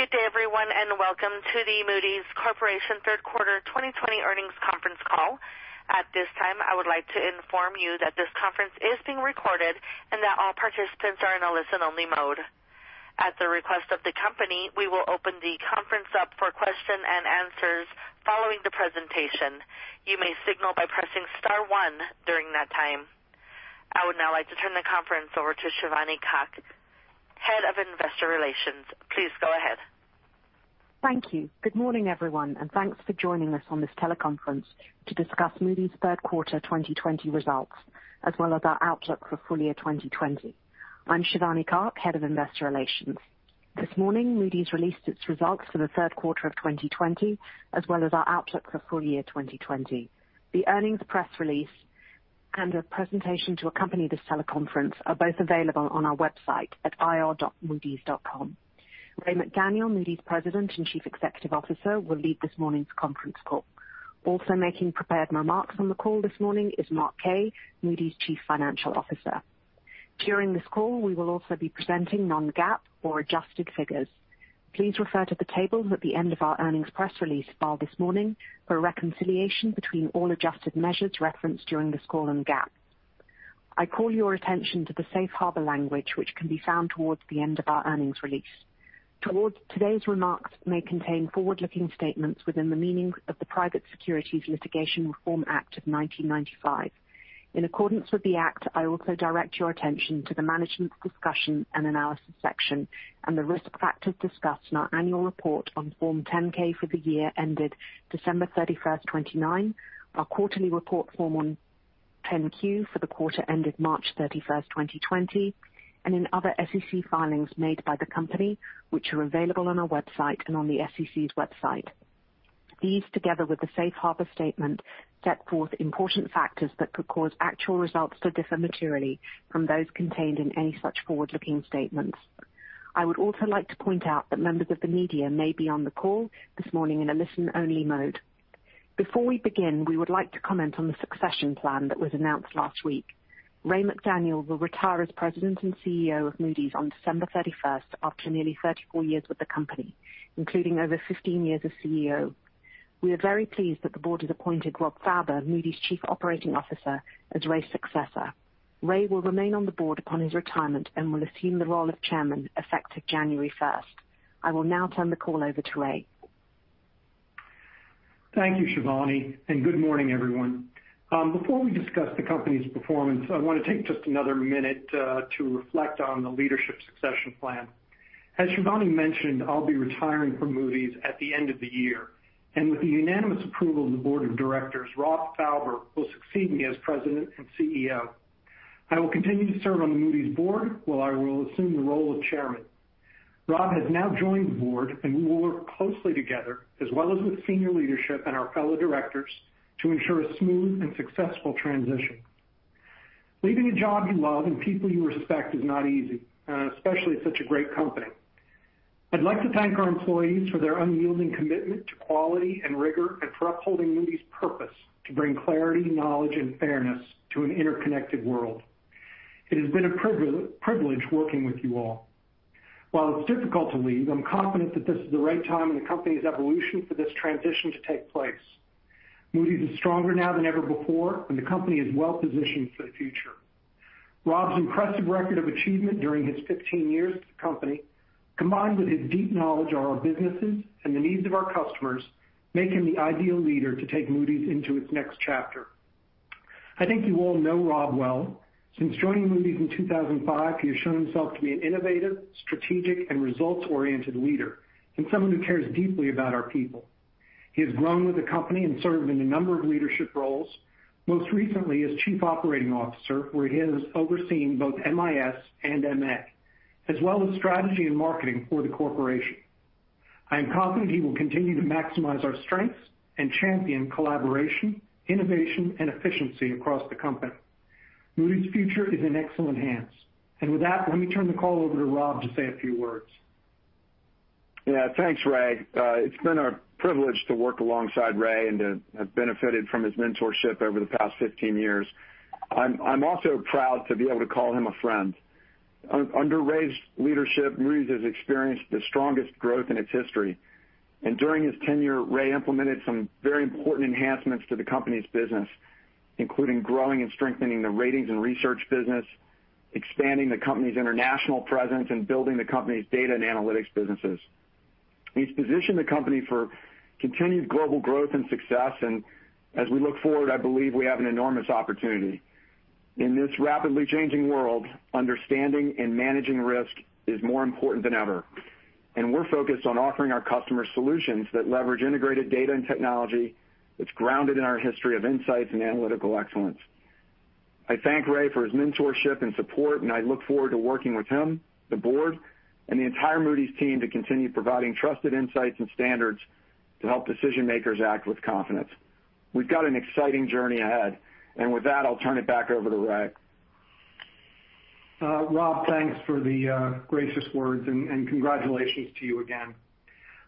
Good day, everyone, and welcome to the Moody's Corporation third quarter 2020 earnings conference call. At this time, I would like to inform you that this conference is being recorded, and that all participants are in a listen-only mode. At the request of the company, we will open the conference up for question and answers following the presentation. You may signal by pressing star one during that time. I would now like to turn the conference over to Shivani Kak, Head of Investor Relations. Please go ahead. Thank you. Good morning, everyone, and thanks for joining us on this teleconference to discuss Moody's third quarter 2020 results, as well as our outlook for full year 2020. I'm Shivani Kak, Head of Investor Relations. This morning, Moody's released its results for the third quarter of 2020, as well as our outlook for full year 2020. The earnings press release and a presentation to accompany this teleconference are both available on our website at ir.moodys.com. Ray McDaniel, Moody's President and Chief Executive Officer, will lead this morning's conference call. Also making prepared remarks on the call this morning is Mark Kaye, Moody's Chief Financial Officer. During this call, we will also be presenting non-GAAP or adjusted figures. Please refer to the tables at the end of our earnings press release filed this morning for a reconciliation between all adjusted measures referenced during this call and GAAP. I call your attention to the safe harbor language, which can be found towards the end of our earnings release. Today's remarks may contain forward-looking statements within the meaning of the Private Securities Litigation Reform Act of 1995. In accordance with the act, I also direct your attention to the Management Discussion and Analysis section and the risk factors discussed in our annual report on Form 10-K for the year ended December 31st, 2019, our quarterly report Form 10-Q for the quarter ended March 31st, 2020, and in other SEC filings made by the company, which are available on our website and on the SEC's website. These, together with the safe harbor statement, set forth important factors that could cause actual results to differ materially from those contained in any such forward-looking statements. I would also like to point out that members of the media may be on the call this morning in a listen-only mode. Before we begin, we would like to comment on the succession plan that was announced last week. Ray McDaniel will retire as President and CEO of Moody's on December 31st, after nearly 34 years with the company, including over 15 years as CEO. We are very pleased that the board has appointed Rob Fauber, Moody's Chief Operating Officer, as Ray's successor. Ray will remain on the board upon his retirement and will assume the role of chairman effective January 1st. I will now turn the call over to Ray. Thank you, Shivani. Good morning, everyone. Before we discuss the company's performance, I want to take just another minute to reflect on the leadership succession plan. As Shivani mentioned, I'll be retiring from Moody's at the end of the year. With the unanimous approval of the Board of Directors, Rob Fauber will succeed me as President and CEO. I will continue to serve on the Moody's board, while I will assume the role of chairman. Rob has now joined the board, and we will work closely together, as well as with senior leadership and our fellow directors to ensure a smooth and successful transition. Leaving a job you love and people you respect is not easy, especially at such a great company. I'd like to thank our employees for their unyielding commitment to quality and rigor, and for upholding Moody's purpose to bring clarity, knowledge, and fairness to an interconnected world. It has been a privilege working with you all. While it's difficult to leave, I'm confident that this is the right time in the company's evolution for this transition to take place. Moody's is stronger now than ever before, and the company is well-positioned for the future. Rob's impressive record of achievement during his 15 years at the company, combined with his deep knowledge of our businesses and the needs of our customers, make him the ideal leader to take Moody's into its next chapter. I think you all know Rob well. Since joining Moody's in 2005, he has shown himself to be an innovative, strategic, and results-oriented leader, and someone who cares deeply about our people. He has grown with the company and served in a number of leadership roles, most recently as Chief Operating Officer, where he has overseen both MIS and MA, as well as strategy and marketing for the corporation. I am confident he will continue to maximize our strengths and champion collaboration, innovation, and efficiency across the company. Moody's future is in excellent hands. With that, let me turn the call over to Rob to say a few words. Yeah. Thanks, Ray. It's been a privilege to work alongside Ray and to have benefited from his mentorship over the past 15 years. I'm also proud to be able to call him a friend. Under Ray's leadership, Moody's has experienced the strongest growth in its history. During his tenure, Ray implemented some very important enhancements to the company's business, including growing and strengthening the ratings and research business, expanding the company's international presence, and building the company's data and analytics businesses. He's positioned the company for continued global growth and success, and as we look forward, I believe we have an enormous opportunity. In this rapidly changing world, understanding and managing risk is more important than ever, and we're focused on offering our customers solutions that leverage integrated data and technology that's grounded in our history of insights and analytical excellence. I thank Ray for his mentorship and support, and I look forward to working with him, the board, and the entire Moody's team to continue providing trusted insights and standards to help decision-makers act with confidence. We've got an exciting journey ahead. With that, I'll turn it back over to Ray. Rob, thanks for the gracious words, and congratulations to you again.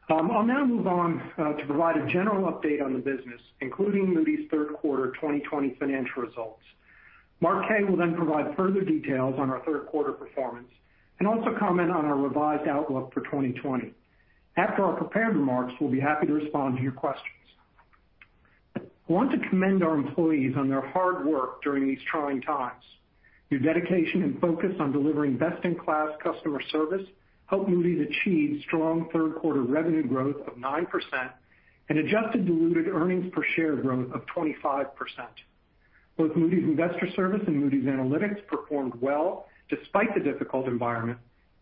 I'll now move on to provide a general update on the business, including Moody's third quarter 2020 financial results. Mark Kaye will then provide further details on our third quarter performance and also comment on our revised outlook for 2020. After our prepared remarks, we'll be happy to respond to your questions. I want to commend our employees on their hard work during these trying times. Your dedication and focus on delivering best-in-class customer service helped Moody's achieve strong third quarter revenue growth of 9% and adjusted diluted earnings per share growth of 25%. Both Moody's Investors Service and Moody's Analytics performed well despite the difficult environment,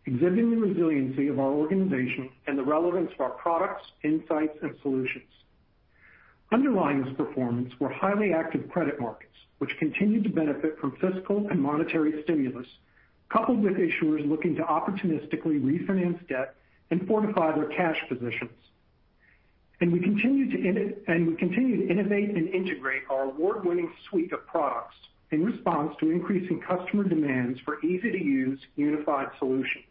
exhibiting the resiliency of our organization and the relevance of our products, insights, and solutions. Underlying this performance were highly active credit markets, which continued to benefit from fiscal and monetary stimulus, coupled with issuers looking to opportunistically refinance debt and fortify their cash positions. We continue to innovate and integrate our award-winning suite of products in response to increasing customer demands for easy-to-use unified solutions.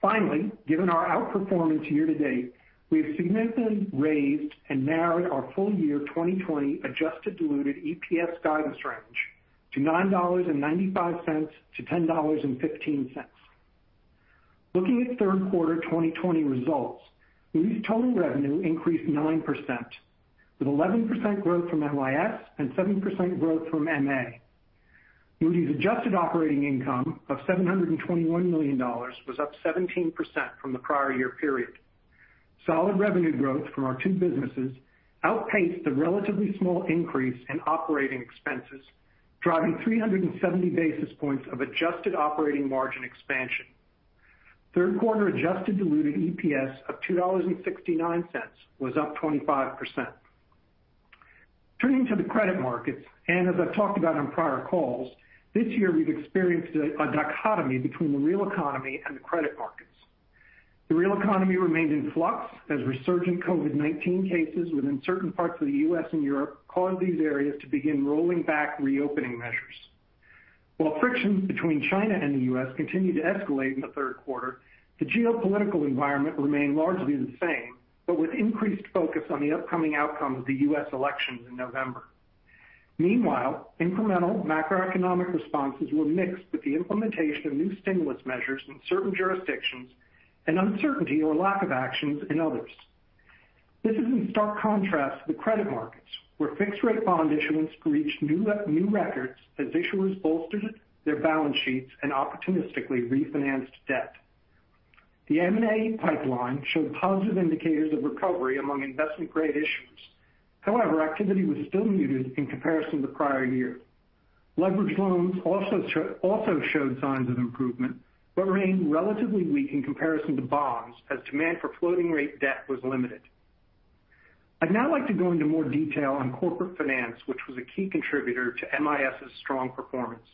Finally, given our outperformance year-to-date, we have significantly raised and narrowed our full-year 2020 adjusted diluted EPS guidance range to $9.95-$10.15. Looking at third quarter 2020 results, Moody's total revenue increased 9%, with 11% growth from MIS and 7% growth from MA. Moody's adjusted operating income of $721 million was up 17% from the prior year period. Solid revenue growth from our two businesses outpaced the relatively small increase in operating expenses, driving 370 basis points of adjusted operating margin expansion. Third quarter adjusted diluted EPS of $2.69 was up 25%. Turning to the credit markets, as I've talked about on prior calls, this year we've experienced a dichotomy between the real economy and the credit markets. The real economy remained in flux as resurgent COVID-19 cases within certain parts of the U.S. and Europe caused these areas to begin rolling back reopening measures. While frictions between China and the U.S. continued to escalate in the third quarter, the geopolitical environment remained largely the same, with increased focus on the upcoming outcome of the U.S. elections in November. Meanwhile, incremental macroeconomic responses were mixed with the implementation of new stimulus measures in certain jurisdictions, uncertainty or lack of actions in others. This is in stark contrast to the credit markets, where fixed-rate bond issuance reached new records as issuers bolstered their balance sheets and opportunistically refinanced debt. The M&A pipeline showed positive indicators of recovery among investment-grade issuers. However, activity was still muted in comparison to prior years. Leveraged loans also showed signs of improvement, but remained relatively weak in comparison to bonds as demand for floating-rate debt was limited. I'd now like to go into more detail on corporate finance, which was a key contributor to MIS's strong performance.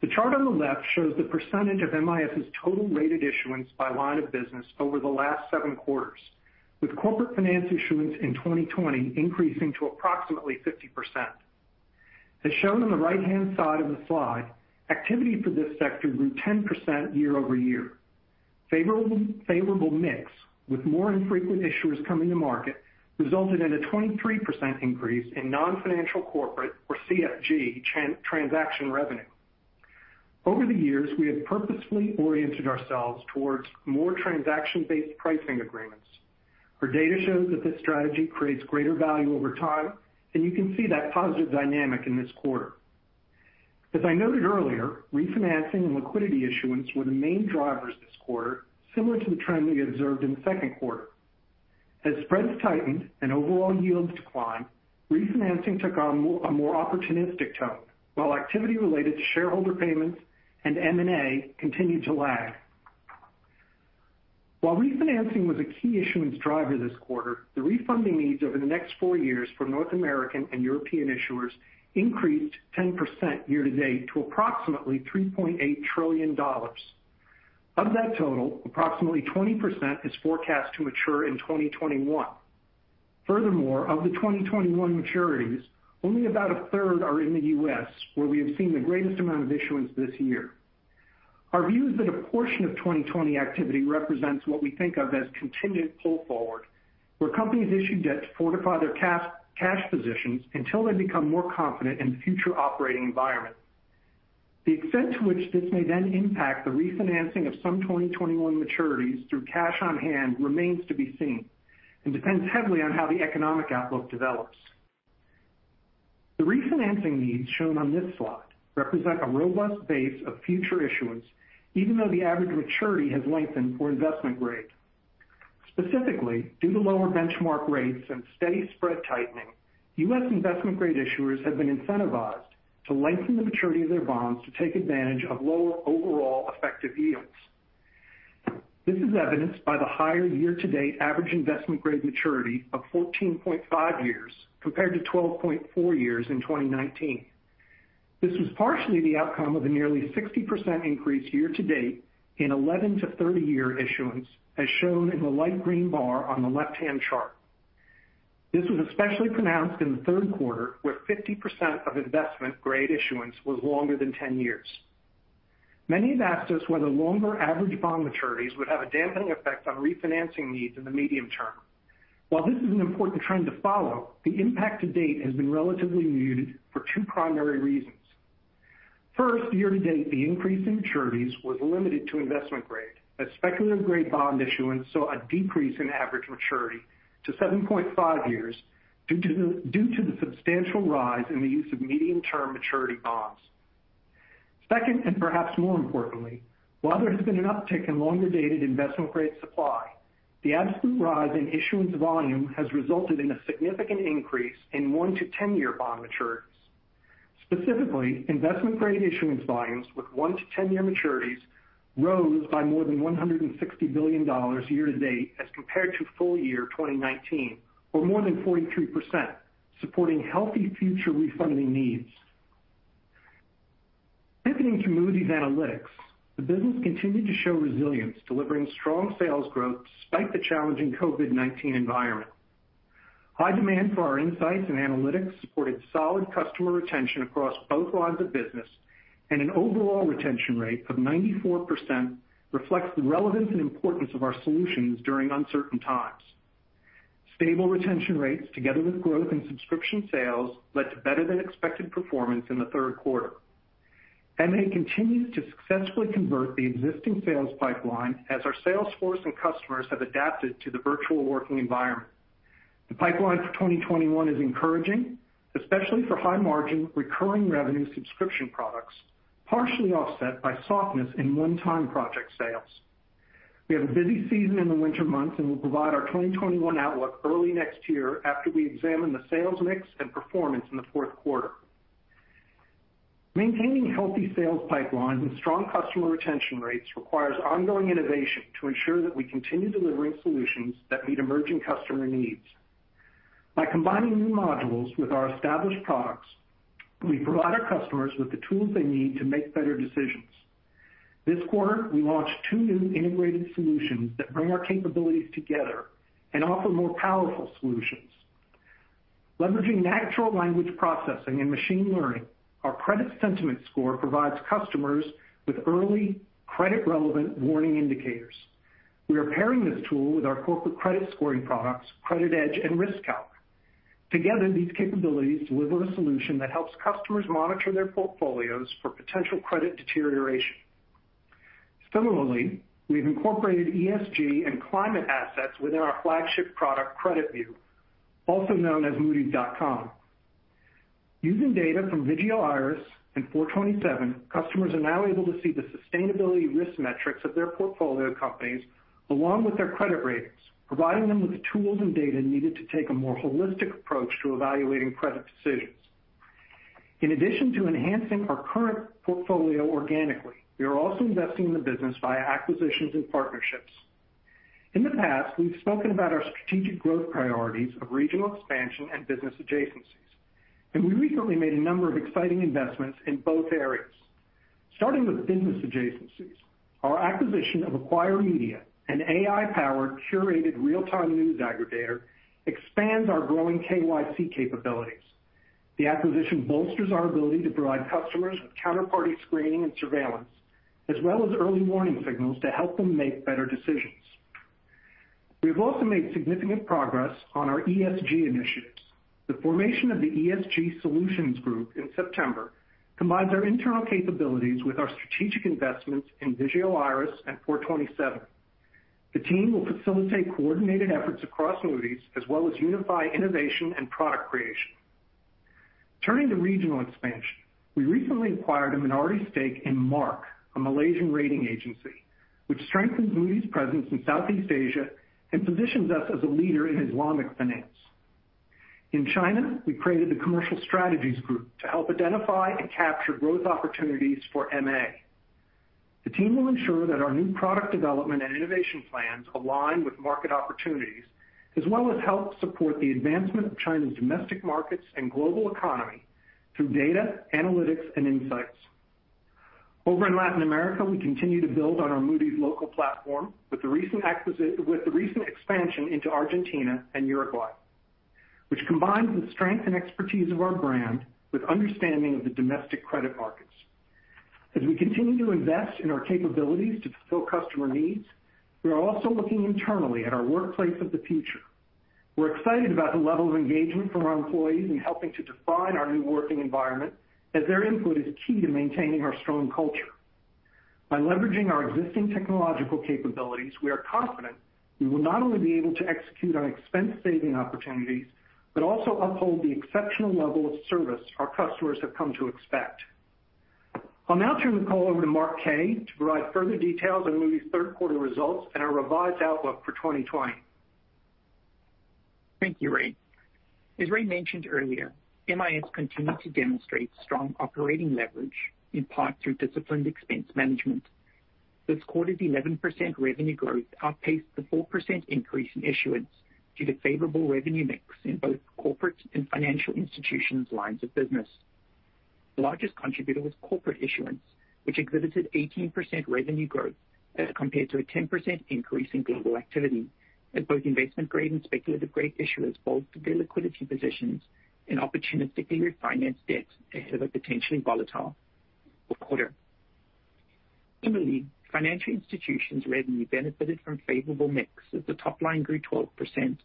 The chart on the left shows the percentage of MIS's total rated issuance by line of business over the last seven quarters, with corporate finance issuance in 2020 increasing to approximately 50%. As shown on the right-hand side of the slide, activity for this sector grew 10% year-over-year. Favorable mix with more infrequent issuers coming to market resulted in a 23% increase in non-financial corporate or CFG transaction revenue. Over the years, we have purposefully oriented ourselves towards more transaction-based pricing agreements. Our data shows that this strategy creates greater value over time, and you can see that positive dynamic in this quarter. As I noted earlier, refinancing and liquidity issuance were the main drivers this quarter, similar to the trend we observed in the second quarter. As spreads tightened and overall yields declined, refinancing took on a more opportunistic tone, while activity related to shareholder payments and M&A continued to lag. While refinancing was a key issuance driver this quarter, the refunding needs over the next four years for North American and European issuers increased 10% year-to-date to approximately $3.8 trillion. Of that total, approximately 20% is forecast to mature in 2021. Furthermore, of the 2021 maturities, only about a 1/3 are in the U.S., where we have seen the greatest amount of issuance this year. Our view is that a portion of 2020 activity represents what we think of as contingent pull forward, where companies issued debt to fortify their cash positions until they become more confident in the future operating environment. The extent to which this may then impact the refinancing of some 2021 maturities through cash on hand remains to be seen and depends heavily on how the economic outlook develops. The refinancing needs shown on this slide represent a robust base of future issuance, even though the average maturity has lengthened for investment grade. Specifically, due to lower benchmark rates and steady spread tightening, U.S. investment-grade issuers have been incentivized to lengthen the maturity of their bonds to take advantage of lower overall effective yields. This is evidenced by the higher year-to-date average investment-grade maturity of 14.5 years compared to 12.4 years in 2019. This was partially the outcome of a nearly 60% increase year-to-date in 11-30 year issuance, as shown in the light green bar on the left-hand chart. This was especially pronounced in the third quarter, where 50% of investment-grade issuance was longer than 10 years. Many have asked us whether longer average bond maturities would have a dampening effect on refinancing needs in the medium term. While this is an important trend to follow, the impact to date has been relatively muted for two primary reasons. First, year-to-date, the increase in maturities was limited to investment-grade, as speculative-grade bond issuance saw a decrease in average maturity to 7.5 years due to the substantial rise in the use of medium-term maturity bonds. Second, and perhaps more importantly, while there has been an uptick in longer-dated investment-grade supply, the absolute rise in issuance volume has resulted in a significant increase in 1-10 year bond maturities. Specifically, investment-grade issuance volumes with 1-10 year maturities rose by more than $160 billion year-to-date as compared to full year 2019, or more than 43%, supporting healthy future refunding needs. Pivoting to Moody's Analytics, the business continued to show resilience, delivering strong sales growth despite the challenging COVID-19 environment. High demand for our insights and analytics supported solid customer retention across both lines of business. An overall retention rate of 94% reflects the relevance and importance of our solutions during uncertain times. Stable retention rates, together with growth in subscription sales, led to better-than-expected performance in the third quarter. MA continues to successfully convert the existing sales pipeline as our sales force and customers have adapted to the virtual working environment. The pipeline for 2021 is encouraging, especially for high-margin recurring revenue subscription products, partially offset by softness in one-time project sales. We have a busy season in the winter months and will provide our 2021 outlook early next year after we examine the sales mix and performance in the fourth quarter. Maintaining healthy sales pipelines and strong customer retention rates requires ongoing innovation to ensure that we continue delivering solutions that meet emerging customer needs. By combining new modules with our established products, we provide our customers with the tools they need to make better decisions. This quarter, we launched two new integrated solutions that bring our capabilities together and offer more powerful solutions. Leveraging natural language processing and machine learning, our Credit Sentiment Score provides customers with early credit-relevant warning indicators. We are pairing this tool with our corporate credit scoring products, CreditEdge and RiskCalc. Together, these capabilities deliver a solution that helps customers monitor their portfolios for potential credit deterioration. Similarly, we've incorporated ESG and climate assets within our flagship product, CreditView, also known as moodys.com. Using data from Vigeo Eiris and Four Twenty Seven, customers are now able to see the sustainability risk metrics of their portfolio companies, along with their credit ratings, providing them with the tools and data needed to take a more holistic approach to evaluating credit decisions. In addition to enhancing our current portfolio organically, we are also investing in the business via acquisitions and partnerships. In the past, we've spoken about our strategic growth priorities of regional expansion and business adjacencies, and we recently made a number of exciting investments in both areas. Starting with business adjacencies, our acquisition of Acquire Media, an AI-powered, curated real-time news aggregator, expands our growing KYC capabilities. The acquisition bolsters our ability to provide customers with counterparty screening and surveillance, as well as early warning signals to help them make better decisions. We have also made significant progress on our ESG initiatives. The formation of the ESG Solutions Group in September combines our internal capabilities with our strategic investments in Vigeo Eiris and Four Twenty Seven. The team will facilitate coordinated efforts across Moody's as well as unify innovation and product creation. Turning to regional expansion, we recently acquired a minority stake in MARC, a Malaysian rating agency, which strengthens Moody's presence in Southeast Asia and positions us as a leader in Islamic finance. In China, we created the Commercial Strategies Group to help identify and capture growth opportunities for MA. The team will ensure that our new product development and innovation plans align with market opportunities, as well as help support the advancement of China's domestic markets and global economy through data, analytics, and insights. Over in Latin America, we continue to build on our Moody's Local platform with the recent expansion into Argentina and Uruguay, which combines the strength and expertise of our brand with understanding of the domestic credit markets. As we continue to invest in our capabilities to fulfill customer needs, we are also looking internally at our workplace of the future. We're excited about the level of engagement from our employees in helping to define our new working environment, as their input is key to maintaining our strong culture. By leveraging our existing technological capabilities, we are confident we will not only be able to execute on expense-saving opportunities, but also uphold the exceptional level of service our customers have come to expect. I'll now turn the call over to Mark Kaye to provide further details on Moody's third quarter results and our revised outlook for 2020. Thank you, Ray. As Ray mentioned earlier, MIS continued to demonstrate strong operating leverage, in part through disciplined expense management. This quarter's 11% revenue growth outpaced the 4% increase in issuance due to favorable revenue mix in both Corporate and Financial Institutions lines of business. The largest contributor was Corporate issuance, which exhibited 18% revenue growth as compared to a 10% increase in global activity, as both investment grade and speculative grade issuers bulked their liquidity positions and opportunistically refinanced debts ahead of a potentially volatile quarter. Similarly, Financial Institutions revenue benefited from favorable mix as the top line grew 12%,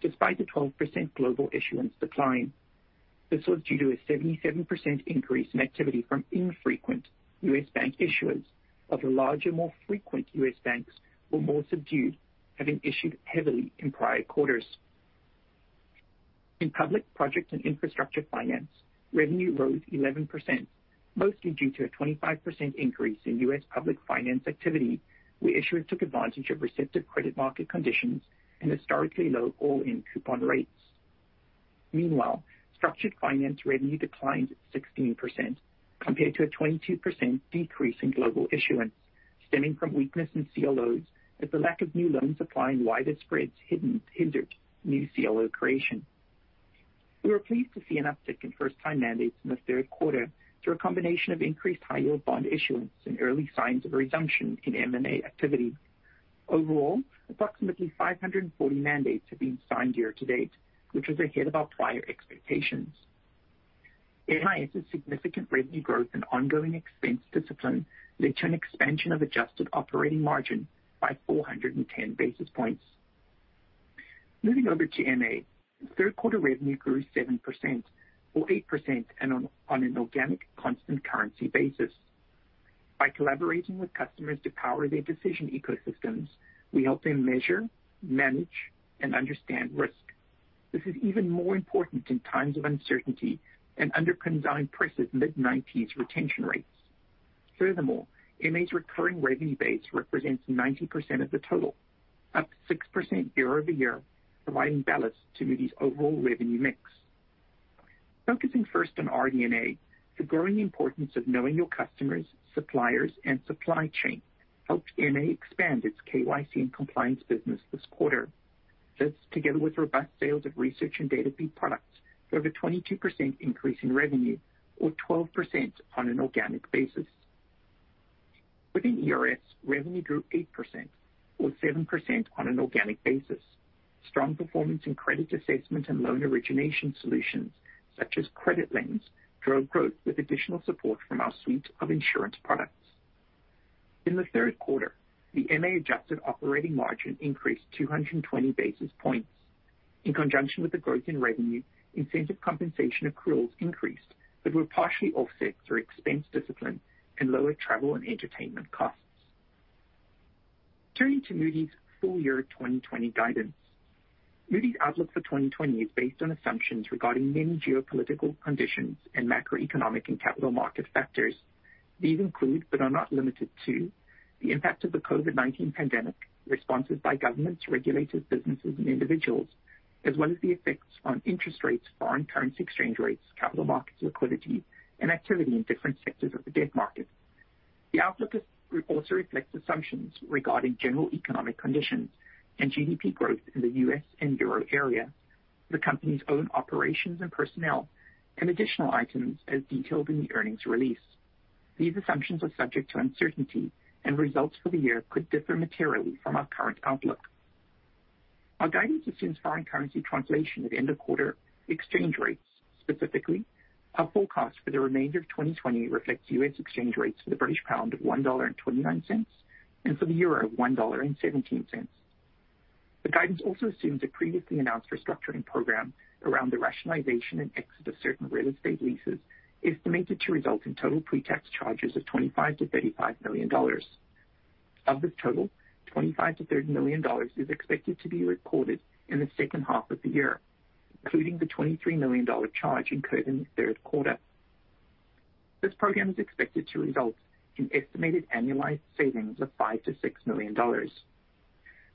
despite the 12% global issuance decline. This was due to a 77% increase in activity from infrequent U.S. bank issuers of the larger, more frequent U.S. banks were more subdued, having issued heavily in prior quarters. In public projects and infrastructure finance, revenue rose 11%, mostly due to a 25% increase in U.S. public finance activity, where issuers took advantage of receptive credit market conditions and historically low all-in coupon rates. Meanwhile, structured finance revenue declined 16%, compared to a 22% decrease in global issuance stemming from weakness in CLOs as the lack of new loans applying wider spreads hindered new CLO creation. We were pleased to see an uptick in first time mandates in the third quarter through a combination of increased high yield bond issuance and early signs of a resumption in M&A activity. Overall, approximately 540 mandates have been signed year to date, which was ahead of our prior expectations. MIS's significant revenue growth and ongoing expense discipline led to an expansion of adjusted operating margin by 410 basis points. Moving over to MA, third quarter revenue grew 7%, or 8% on an organic constant currency basis. By collaborating with customers to power their decision ecosystems, we help them measure, manage, and understand risk. This is even more important in times of uncertainty and underpins our impressive mid-90s retention rates. Furthermore, MA's recurring revenue base represents 90% of the total, up 6% year-over-year, providing balance to Moody's overall revenue mix. Focusing first on RD&A, the growing importance of knowing your customers, suppliers, and supply chain helped MA expand its KYC and compliance business this quarter. This, together with robust sales of research and database products, drove a 22% increase in revenue or 12% on an organic basis. Within ERS, revenue grew 8% or 7% on an organic basis. Strong performance in credit assessment and loan origination solutions such as CreditLens drove growth with additional support from our suite of insurance products. In the third quarter, the MA adjusted operating margin increased 220 basis points. In conjunction with the growth in revenue, incentive compensation accruals increased but were partially offset through expense discipline and lower travel and entertainment costs. Turning to Moody's full year 2020 guidance. Moody's outlook for 2020 is based on assumptions regarding many geopolitical conditions and macroeconomic and capital market factors. These include, but are not limited to, the impact of the COVID-19 pandemic, responses by governments, regulators, businesses, and individuals, as well as the effects on interest rates, foreign currency exchange rates, capital markets liquidity, and activity in different sectors of the debt market. The outlook also reflects assumptions regarding general economic conditions and GDP growth in the U.S. and euro area, the company's own operations and personnel, and additional items as detailed in the earnings release. These assumptions are subject to uncertainty, and results for the year could differ materially from our current outlook. Our guidance assumes foreign currency translation at end of quarter exchange rates. Specifically, our forecast for the remainder of 2020 reflects U.S. exchange rates for the British pound of $1.29 and for the euro of $1.17. The guidance also assumes a previously announced restructuring program around the rationalization and exit of certain real estate leases, estimated to result in total pre-tax charges of $25 million-$35 million. Of this total, $25 million-$30 million is expected to be recorded in the second half of the year, including the $23 million charge incurred in the third quarter. This program is expected to result in estimated annualized savings of $5 million-$6 million.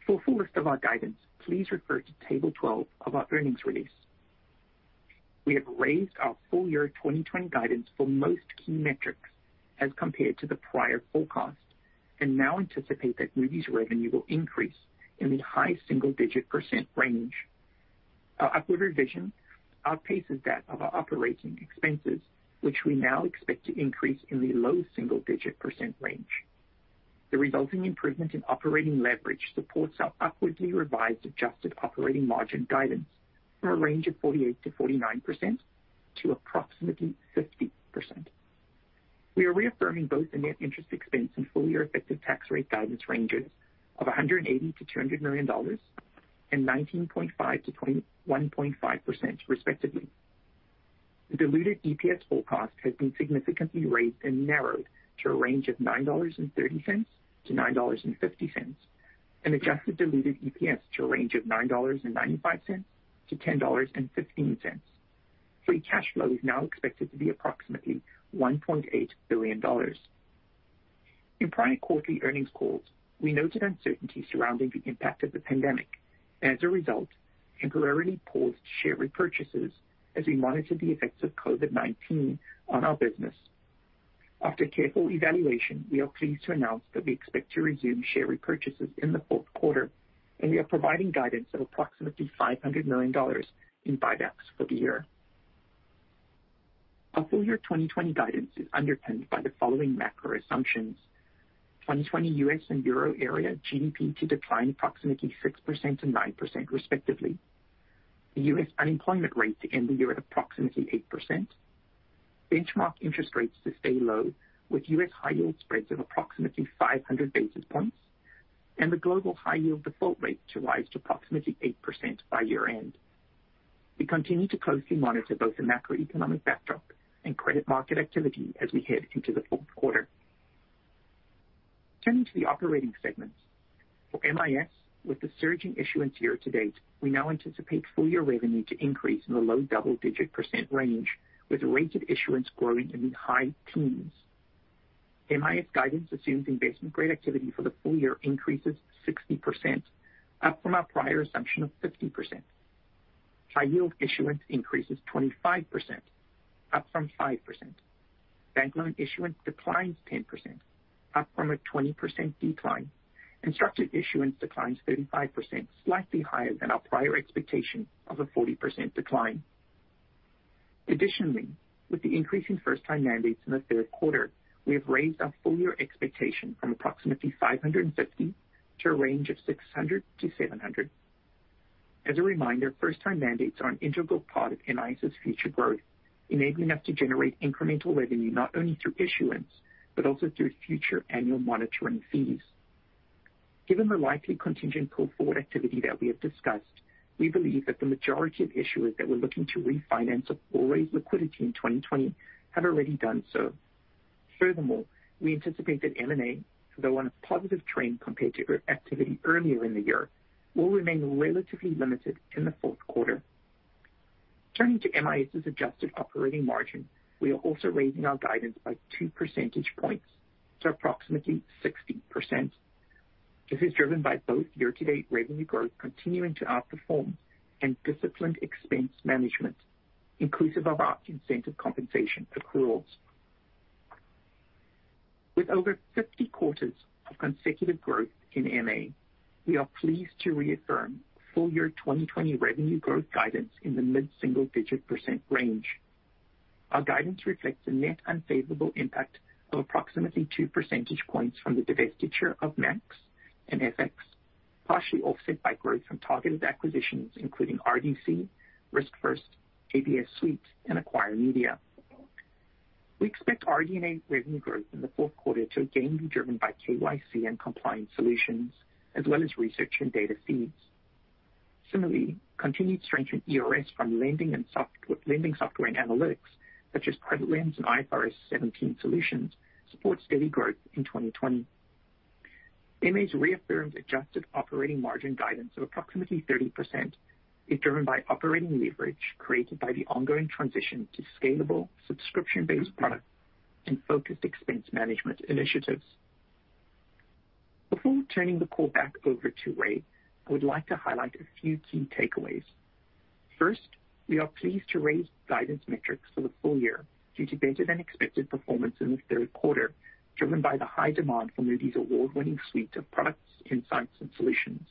For a full list of our guidance, please refer to Table 12 of our earnings release. We have raised our full year 2020 guidance for most key metrics as compared to the prior forecast. Now anticipate that Moody's revenue will increase in the high single-digit percent range. Our upward revision outpaces that of our operating expenses, which we now expect to increase in the low single-digit percent range. The resulting improvement in operating leverage supports our upwardly revised adjusted operating margin guidance from a range of 48%-49% to approximately 50%. We are reaffirming both the net interest expense and full year effective tax rate guidance ranges of $180 million-$200 million and 19.5%-21.5% respectively. The diluted EPS forecast has been significantly raised and narrowed to a range of $9.30-$9.50, and adjusted diluted EPS to a range of $9.95-$10.15. Free cash flow is now expected to be approximately $1.8 billion. In prior quarterly earnings calls, we noted uncertainty surrounding the impact of the pandemic. Temporarily paused share repurchases as we monitor the effects of COVID-19 on our business. After careful evaluation, we are pleased to announce that we expect to resume share repurchases in the fourth quarter, and we are providing guidance of approximately $500 million in buybacks for the year. Our full-year 2020 guidance is underpinned by the following macro assumptions. 2020 U.S. and Euro area GDP to decline approximately 6%-9% respectively. The U.S. unemployment rate to end the year at approximately 8%. Benchmark interest rates to stay low, with U.S. high yield spreads of approximately 500 basis points, and the global high yield default rate to rise to approximately 8% by year-end. We continue to closely monitor both the macroeconomic backdrop and credit market activity as we head into the fourth quarter. Turning to the operating segments. For MIS, with the surging issuance year to date, we now anticipate full-year revenue to increase in the low double-digit percent range, with rates of issuance growing in the high teens. MIS guidance assumes investment-grade activity for the full year increases 60%, up from our prior assumption of 50%. High yield issuance increases 25%, up from 5%. Bank loan issuance declines 10%, up from a 20% decline. Structured issuance declines 35%, slightly higher than our prior expectation of a 40% decline. With the increase in first-time mandates in the third quarter, we have raised our full-year expectation from approximately 550 to a range of 600-700. As a reminder, first-time mandates are an integral part of MIS' future growth, enabling us to generate incremental revenue not only through issuance, but also through future annual monitoring fees. Given the likely contingent pull-forward activity that we have discussed, we believe that the majority of issuers that were looking to refinance or raise liquidity in 2020 have already done so. We anticipate that M&A, though on a positive trend compared to activity earlier in the year, will remain relatively limited in the fourth quarter. Turning to MIS' adjusted operating margin, we are also raising our guidance by two percentage points to approximately 60%. This is driven by both year-to-date revenue growth continuing to outperform and disciplined expense management, inclusive of our incentive compensation accruals. With over 50 quarters of consecutive growth in MA, we are pleased to reaffirm full-year 2020 revenue growth guidance in the mid-single-digit percent range. Our guidance reflects the net unfavorable impact of approximately 2 percentage points from the divestiture of MAKS and FX, partially offset by growth from targeted acquisitions including RDC, RiskFirst, ABS Suite, and Acquire Media. We expect our year-end revenue growth in the fourth quarter to again be driven by KYC and compliance solutions, as well as research and data feeds. Similarly, continued strength in ERS from lending software and analytics, such as CreditLens and IFRS 17 solutions, supports steady growth in 2020. MA's reaffirmed adjusted operating margin guidance of approximately 30% is driven by operating leverage created by the ongoing transition to scalable subscription-based products and focused expense management initiatives. Before turning the call back over to Ray, I would like to highlight a few key takeaways. First, we are pleased to raise guidance metrics for the full year due to better-than-expected performance in the third quarter, driven by the high demand for Moody's award-winning suite of products, insights, and solutions.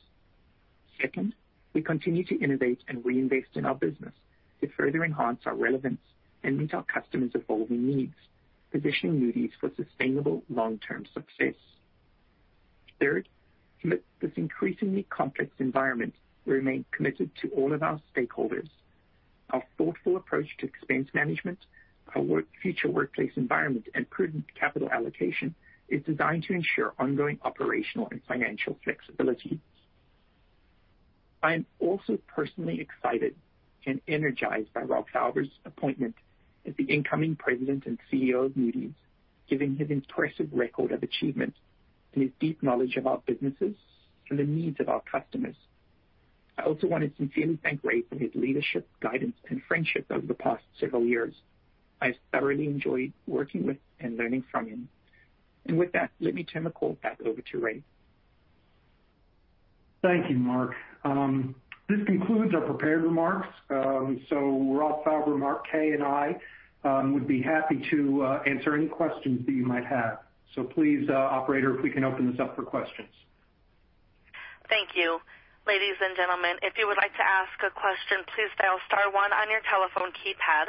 Second, we continue to innovate and reinvest in our business to further enhance our relevance and meet our customers' evolving needs, positioning Moody's for sustainable long-term success. Third, amid this increasingly complex environment, we remain committed to all of our stakeholders. Our thoughtful approach to expense management, our future workplace environment, and prudent capital allocation is designed to ensure ongoing operational and financial flexibility. I am also personally excited and energized by Rob Fauber's appointment as the incoming President and CEO of Moody's, given his impressive record of achievement and his deep knowledge of our businesses and the needs of our customers. I also want to sincerely thank Ray for his leadership, guidance, and friendship over the past several years. I have thoroughly enjoyed working with and learning from him. With that, let me turn the call back over to Ray. Thank you, Mark. This concludes our prepared remarks. Rob Fauber, Mark Kaye, and I would be happy to answer any questions that you might have. Please, operator, if we can open this up for questions. Thank you, ladies and gentleman, if you would like to ask a question, please dial star one on your telephone keypad.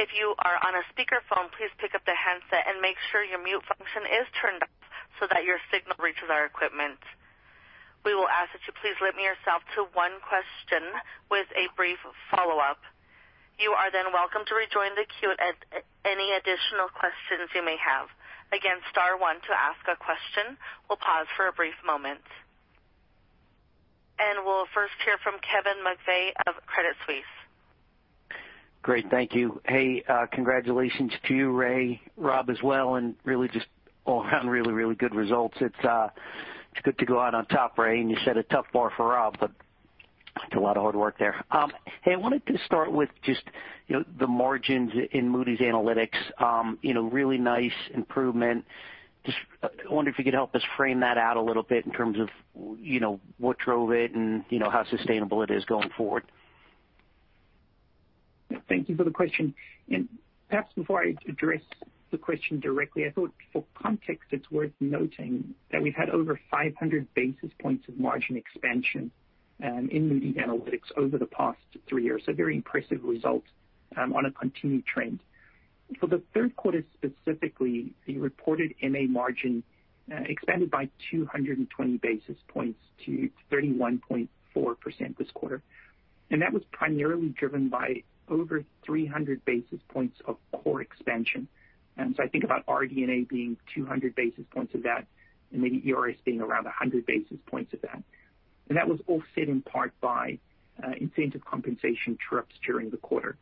If you are on a speakerphone, please pick up the handset and make sure your mute function is turned up, so that your signal reaches our equipment. We will ask that you please limit yourself to one question with a brief follow up. You are then welcome to rejoin the queue at any additional questions you may have. Again, star one to ask a question will pause for a brief moment. We'll first hear from Kevin McVeigh of Credit Suisse. Great, thank you. Congratulations to you, Ray, Rob as well, and really just all around really good results. It's good to go out on top, Ray, and you set a tough bar for Rob, but it's a lot of hard work there. I wanted to start with just the margins in Moody's Analytics. Really nice improvement. Just wonder if you could help us frame that out a little bit in terms of what drove it and how sustainable it is going forward? Thank you for the question. Perhaps before I address the question directly, I thought for context, it's worth noting that we've had over 500 basis points of margin expansion in Moody's Analytics over the past three years. Very impressive results on a continued trend. For the third quarter specifically, the reported MA margin expanded by 220 basis points to 31.4% this quarter. That was primarily driven by over 300 basis points of core expansion. I think about RD&A being 200 basis points of that, and maybe ERS being around 100 basis points of that. That was offset in part by incentive compensation true-ups during the quarter.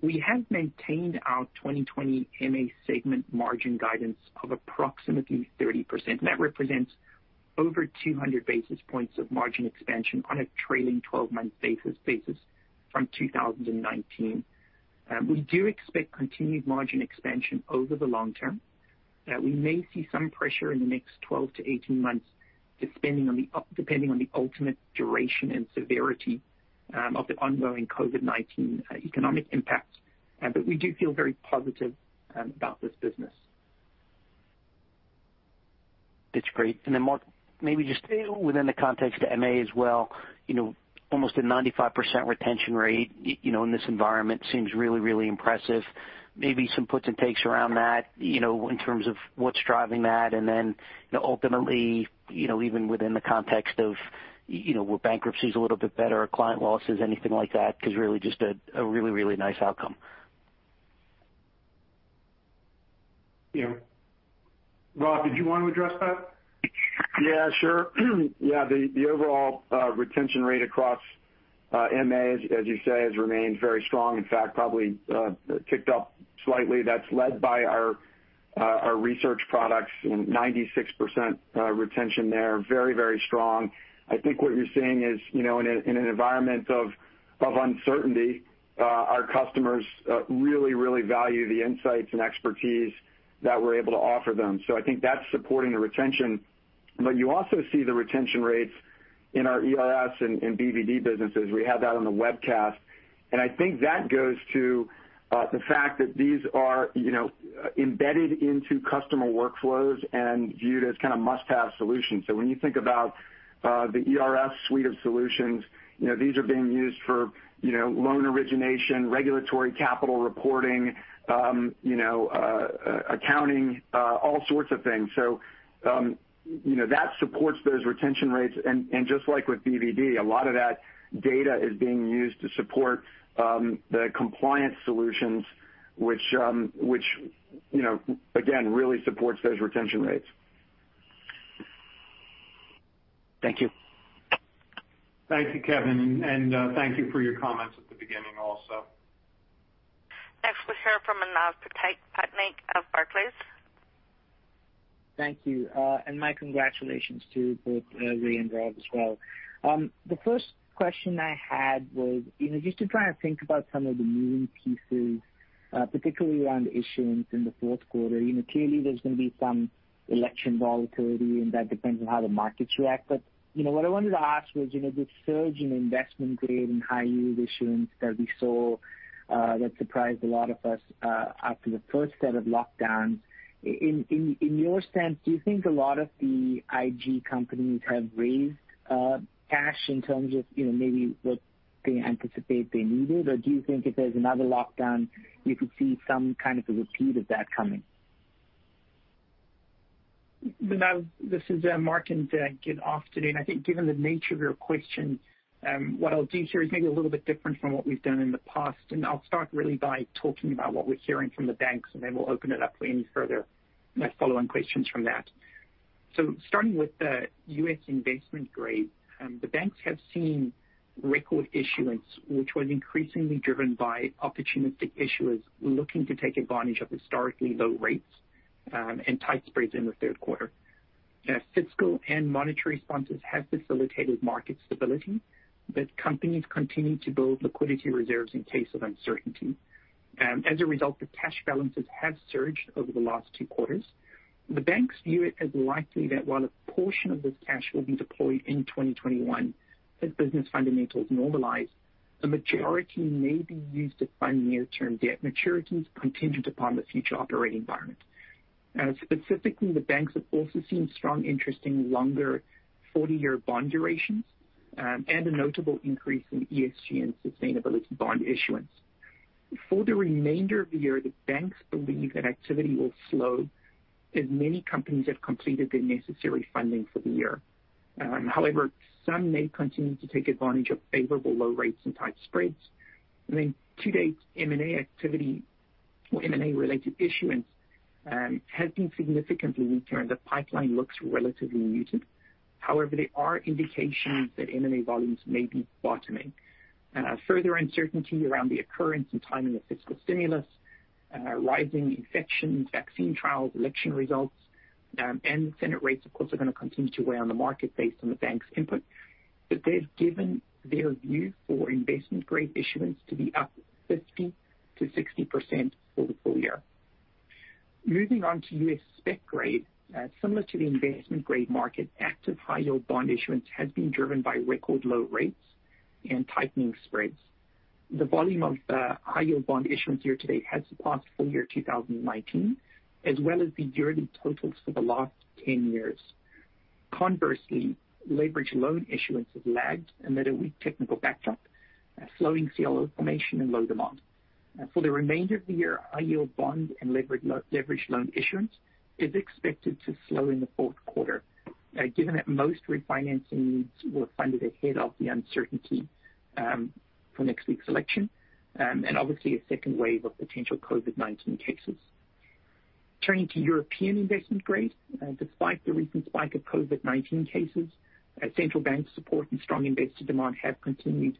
We have maintained our 2020 MA segment margin guidance of approximately 30%. That represents over 200 basis points of margin expansion on a trailing 12-month basis from 2019. We do expect continued margin expansion over the long term. We may see some pressure in the next 12-18 months, depending on the ultimate duration and severity of the ongoing COVID-19 economic impact. We do feel very positive about this business. That's great. Then Mark, maybe just within the context of MA as well, almost a 95% retention rate in this environment seems really, really impressive. Maybe some puts and takes around that in terms of what's driving that. Then ultimately, even within the context of were bankruptcies a little bit better or client losses, anything like that, because really just a really, really nice outcome. Yeah. Rob, did you want to address that? Yeah, sure. The overall retention rate across MAs, as you say, has remained very strong. In fact, probably ticked up slightly. That's led by our research products and 96% retention there. Very strong. I think what you're seeing is, in an environment of uncertainty, our customers really, really value the insights and expertise that we're able to offer them. I think that's supporting the retention. You also see the retention rates in our ERS and BvD businesses. We have that on the webcast. I think that goes to the fact that these are embedded into customer workflows and viewed as kind of must-have solutions. When you think about the ERS suite of solutions, these are being used for loan origination, regulatory capital reporting, accounting, all sorts of things. That supports those retention rates. Just like with BvD, a lot of that data is being used to support the compliance solutions which again, really supports those retention rates. Thank you. Thank you, Kevin, and thank you for your comments at the beginning also. Next we'll hear from Manav Patnaik of Barclays. Thank you. My congratulations to both Ray and Rob as well. The first question I had was just to try and think about some of the moving pieces, particularly around issuance in the fourth quarter. Clearly there's going to be some election volatility, and that depends on how the markets react. What I wanted to ask was the surge in investment-grade and high-yield issuance that we saw that surprised a lot of us after the first set of lockdowns. In your sense, do you think a lot of the IG companies have raised cash in terms of maybe what they anticipate they needed? Or do you think if there's another lockdown, you could see some kind of a repeat of that coming? Manav, this is Mark, and good afternoon. I think given the nature of your question, what I'll do here is maybe a little bit different from what we've done in the past, and I'll start really by talking about what we're hearing from the banks, and then we'll open it up for any further follow-on questions from that. Starting with the U.S. investment grade, the banks have seen record issuance, which was increasingly driven by opportunistic issuers looking to take advantage of historically low rates, and tight spreads in the third quarter. Fiscal and monetary responses have facilitated market stability, but companies continue to build liquidity reserves in case of uncertainty. As a result, the cash balances have surged over the last two quarters. The banks view it as likely that while a portion of this cash will be deployed in 2021 as business fundamentals normalize, a majority may be used to fund near-term debt maturities contingent upon the future operating environment. Specifically, the banks have also seen strong interest in longer 40-year bond durations and a notable increase in ESG and sustainability bond issuance. For the remainder of the year, the banks believe that activity will slow as many companies have completed the necessary funding for the year. However, some may continue to take advantage of favorable low rates and tight spreads. Then to date, M&A activity or M&A-related issuance has been significantly pulled forward. The pipeline looks relatively muted. However, there are indications that M&A volumes may be bottoming. Further uncertainty around the occurrence and timing of fiscal stimulus, rising infections, vaccine trials, election results, and Senate races, of course, are going to continue to weigh on the market based on the bank's input. They've given their view for investment-grade issuance to be up 50%-60% for the full year. Moving on to U.S. spec grade. Similar to the investment grade market, active high-yield bond issuance has been driven by record low rates and tightening spreads. The volume of high-yield bond issuance year-to-date has surpassed full year 2019, as well as the yearly totals for the last 10 years. Conversely, leverage loan issuance has lagged amid a weak technical backdrop, slowing CLO formation, and low demand. For the remainder of the year, high-yield bond and leverage loan issuance is expected to slow in the fourth quarter, given that most refinancing needs were funded ahead of the uncertainty for next week's election, and obviously a second wave of potential COVID-19 cases. Turning to European investment grade. Despite the recent spike of COVID-19 cases, central bank support and strong investor demand have continued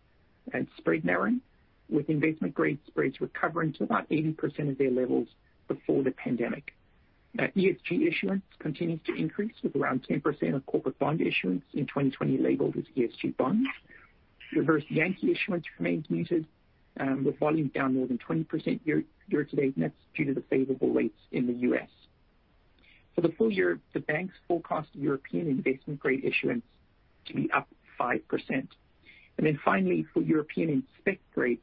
spread narrowing, with investment grade spreads recovering to about 80% of their levels before the pandemic. ESG issuance continues to increase, with around 10% of corporate bond issuance in 2020 labeled as ESG bonds. Reverse Yankee issuance remains muted, with volumes down more than 20% year-to-date nets due to the favorable rates in the U.S. For the full year, the banks forecast European investment-grade issuance to be up 5%. Then finally, for European in spec grade,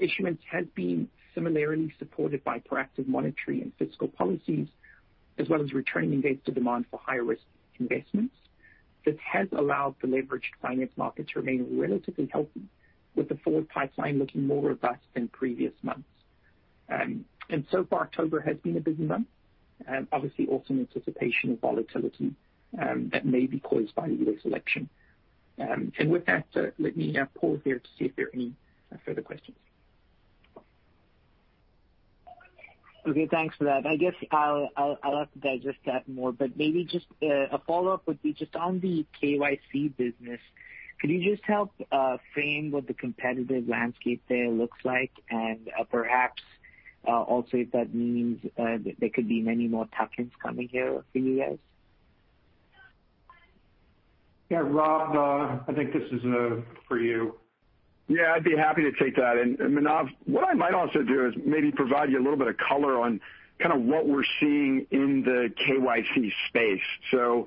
issuance has been similarly supported by proactive monetary and fiscal policies, as well as returning investor demand for higher risk investments. This has allowed the leveraged finance markets to remain relatively healthy, with the forward pipeline looking more robust than previous months. So far, October has been a busy month, obviously also in anticipation of volatility that may be caused by the U.S. election. With that, let me pause here to see if there are any further questions. Okay, thanks for that. I guess I'll have to digest that more, but maybe just a follow-up would be just on the KYC business. Could you just help frame what the competitive landscape there looks like? Perhaps also if that means there could be many more tuck-ins coming here for you guys. Yeah, Rob, I think this is for you. Yeah, I'd be happy to take that. Manav, what I might also do is maybe provide you a little bit of color on kind of what we're seeing in the KYC space.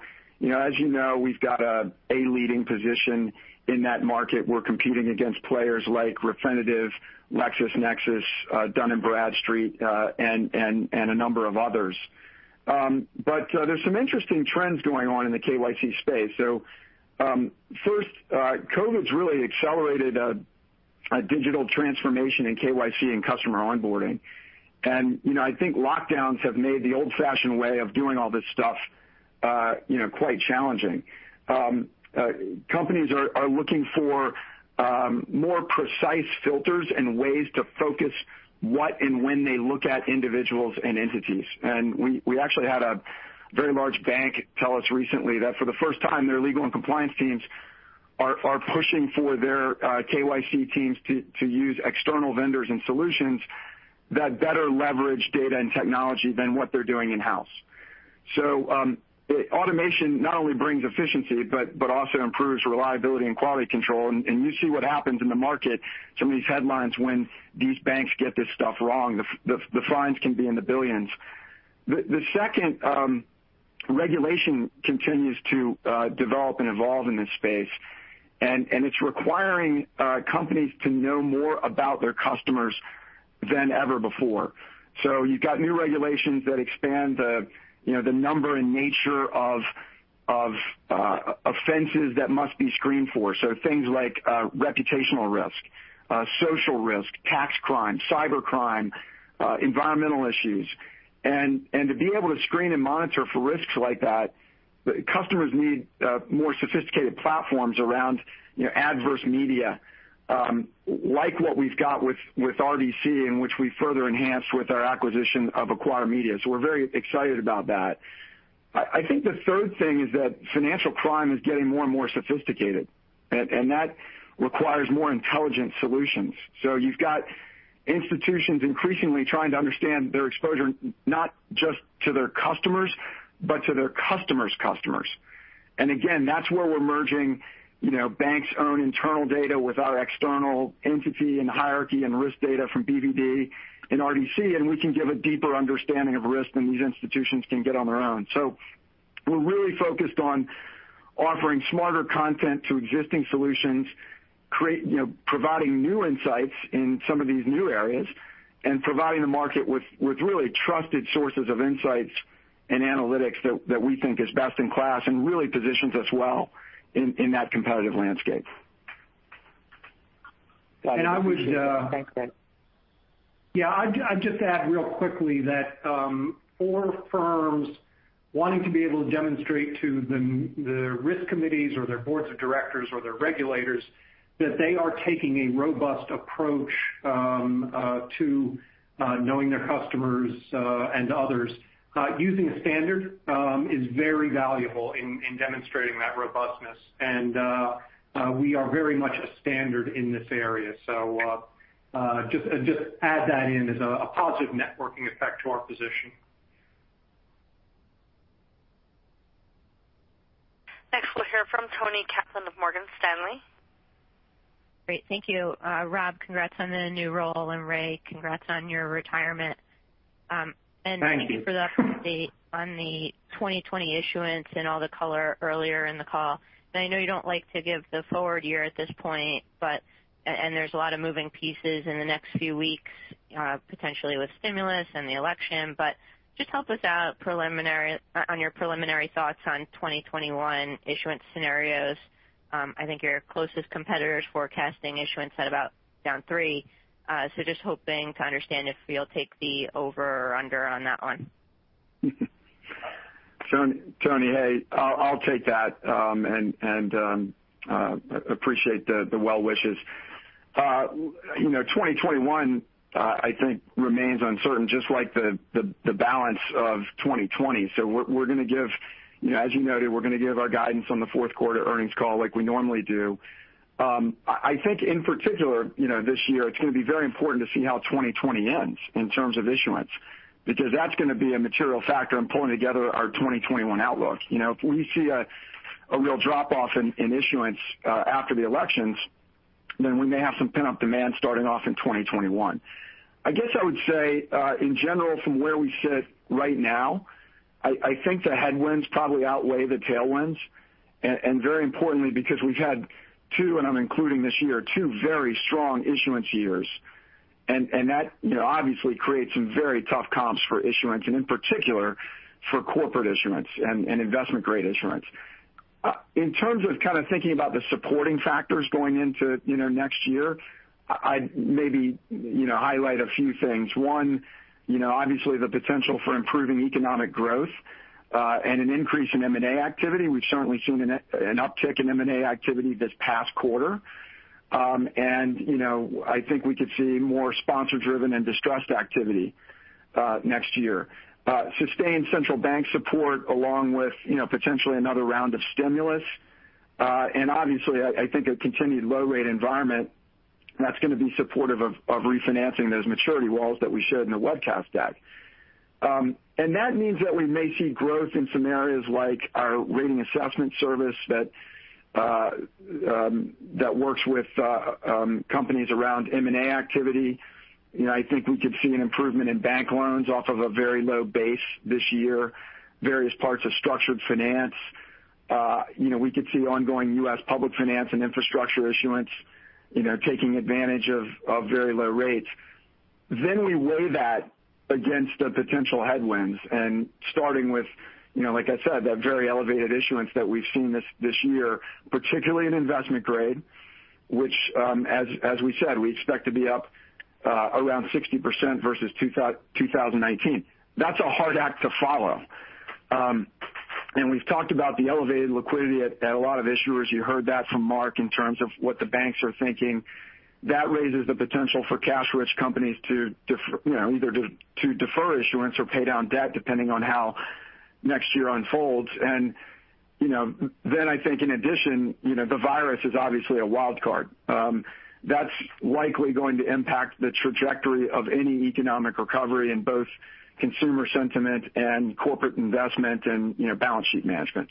As you know, we've got a leading position in that market. We're competing against players like Refinitiv, LexisNexis, Dun & Bradstreet, and a number of others. There's some interesting trends going on in the KYC space. First, COVID's really accelerated a digital transformation in KYC and customer onboarding. I think lockdowns have made the old-fashioned way of doing all this stuff quite challenging. Companies are looking for more precise filters and ways to focus what and when they look at individuals and entities. We actually had a very large bank tell us recently that for the first time, their legal and compliance teams are pushing for their KYC teams to use external vendors and solutions that better leverage data and technology than what they're doing in-house. Automation not only brings efficiency, but also improves reliability and quality control. You see what happens in the market, some of these headlines when these banks get this stuff wrong. The fines can be in the billions. The second regulation continues to develop and evolve in this space, and it's requiring companies to know more about their customers than ever before. You've got new regulations that expand the number and nature of offenses that must be screened for. Things like reputational risk, social risk, tax crime, cybercrime, environmental issues. To be able to screen and monitor for risks like that, customers need more sophisticated platforms around adverse media like what we've got with RDC, and which we further enhanced with our acquisition of Acquire Media. We're very excited about that. I think the third thing is that financial crime is getting more and more sophisticated, and that requires more intelligent solutions. You've got institutions increasingly trying to understand their exposure, not just to their customers, but to their customers' customers. Again, that's where we're merging banks' own internal data with our external entity and hierarchy and risk data from BvD and RDC, and we can give a deeper understanding of risk than these institutions can get on their own. We're really focused on offering smarter content to existing solutions, providing new insights in some of these new areas, and providing the market with really trusted sources of insights and analytics that we think is best in class and really positions us well in that competitive landscape. Got it. And I would. Thanks, Rob. Yeah. I'd just add real quickly that for firms wanting to be able to demonstrate to the risk committees or their boards of directors or their regulators that they are taking a robust approach to knowing their customers and others, using a standard is very valuable in demonstrating that robustness. We are very much a standard in this area. Just add that in as a positive networking effect to our position. We'll hear from Toni Kaplan of Morgan Stanley. Great. Thank you. Rob, congrats on the new role, and Ray, congrats on your retirement. Thank you. Thank you for the update on the 2020 issuance and all the color earlier in the call. I know you don't like to give the forward year at this point, and there's a lot of moving pieces in the next few weeks, potentially with stimulus and the election, but just help us out on your preliminary thoughts on 2021 issuance scenarios. I think your closest competitor's forecasting issuance at about down three. Just hoping to understand if we'll take the over or under on that one. Toni, hey, I'll take that, and appreciate the well wishes. 2021, I think remains uncertain, just like the balance of 2020. We're going to give, as you noted, we're going to give our guidance on the fourth quarter earnings call like we normally do. I think in particular, this year it's going to be very important to see how 2020 ends in terms of issuance. That's going to be a material factor in pulling together our 2021 outlook. If we see a real drop-off in issuance after the elections, then we may have some pent-up demand starting off in 2021. I guess I would say, in general, from where we sit right now, I think the headwinds probably outweigh the tailwinds. Very importantly, because we've had two, and I'm including this year, two very strong issuance years. That obviously creates some very tough comps for issuance and in particular for corporate issuance and investment-grade issuance. In terms of kind of thinking about the supporting factors going into next year, I'd maybe highlight a few things. One, obviously the potential for improving economic growth, and an increase in M&A activity. We've certainly seen an uptick in M&A activity this past quarter. I think we could see more sponsor-driven and distressed activity next year. Sustained central bank support along with potentially another round of stimulus. Obviously, I think a continued low-rate environment that's going to be supportive of refinancing those maturity walls that we showed in the webcast deck. That means that we may see growth in some areas like our Rating Assessment Service that works with companies around M&A activity. I think we could see an improvement in bank loans off of a very low base this year. Various parts of structured finance. We could see ongoing U.S. public finance and infrastructure issuance taking advantage of very low rates. We weigh that against the potential headwinds and starting with, like I said, that very elevated issuance that we've seen this year, particularly in investment grade, which as we said, we expect to be up around 60% versus 2019. That's a hard act to follow. We've talked about the elevated liquidity at a lot of issuers. You heard that from Mark in terms of what the banks are thinking. That raises the potential for cash-rich companies to either defer issuance or pay down debt depending on how next year unfolds. I think in addition, the virus is obviously a wildcard. That's likely going to impact the trajectory of any economic recovery in both consumer sentiment and corporate investment and balance sheet management.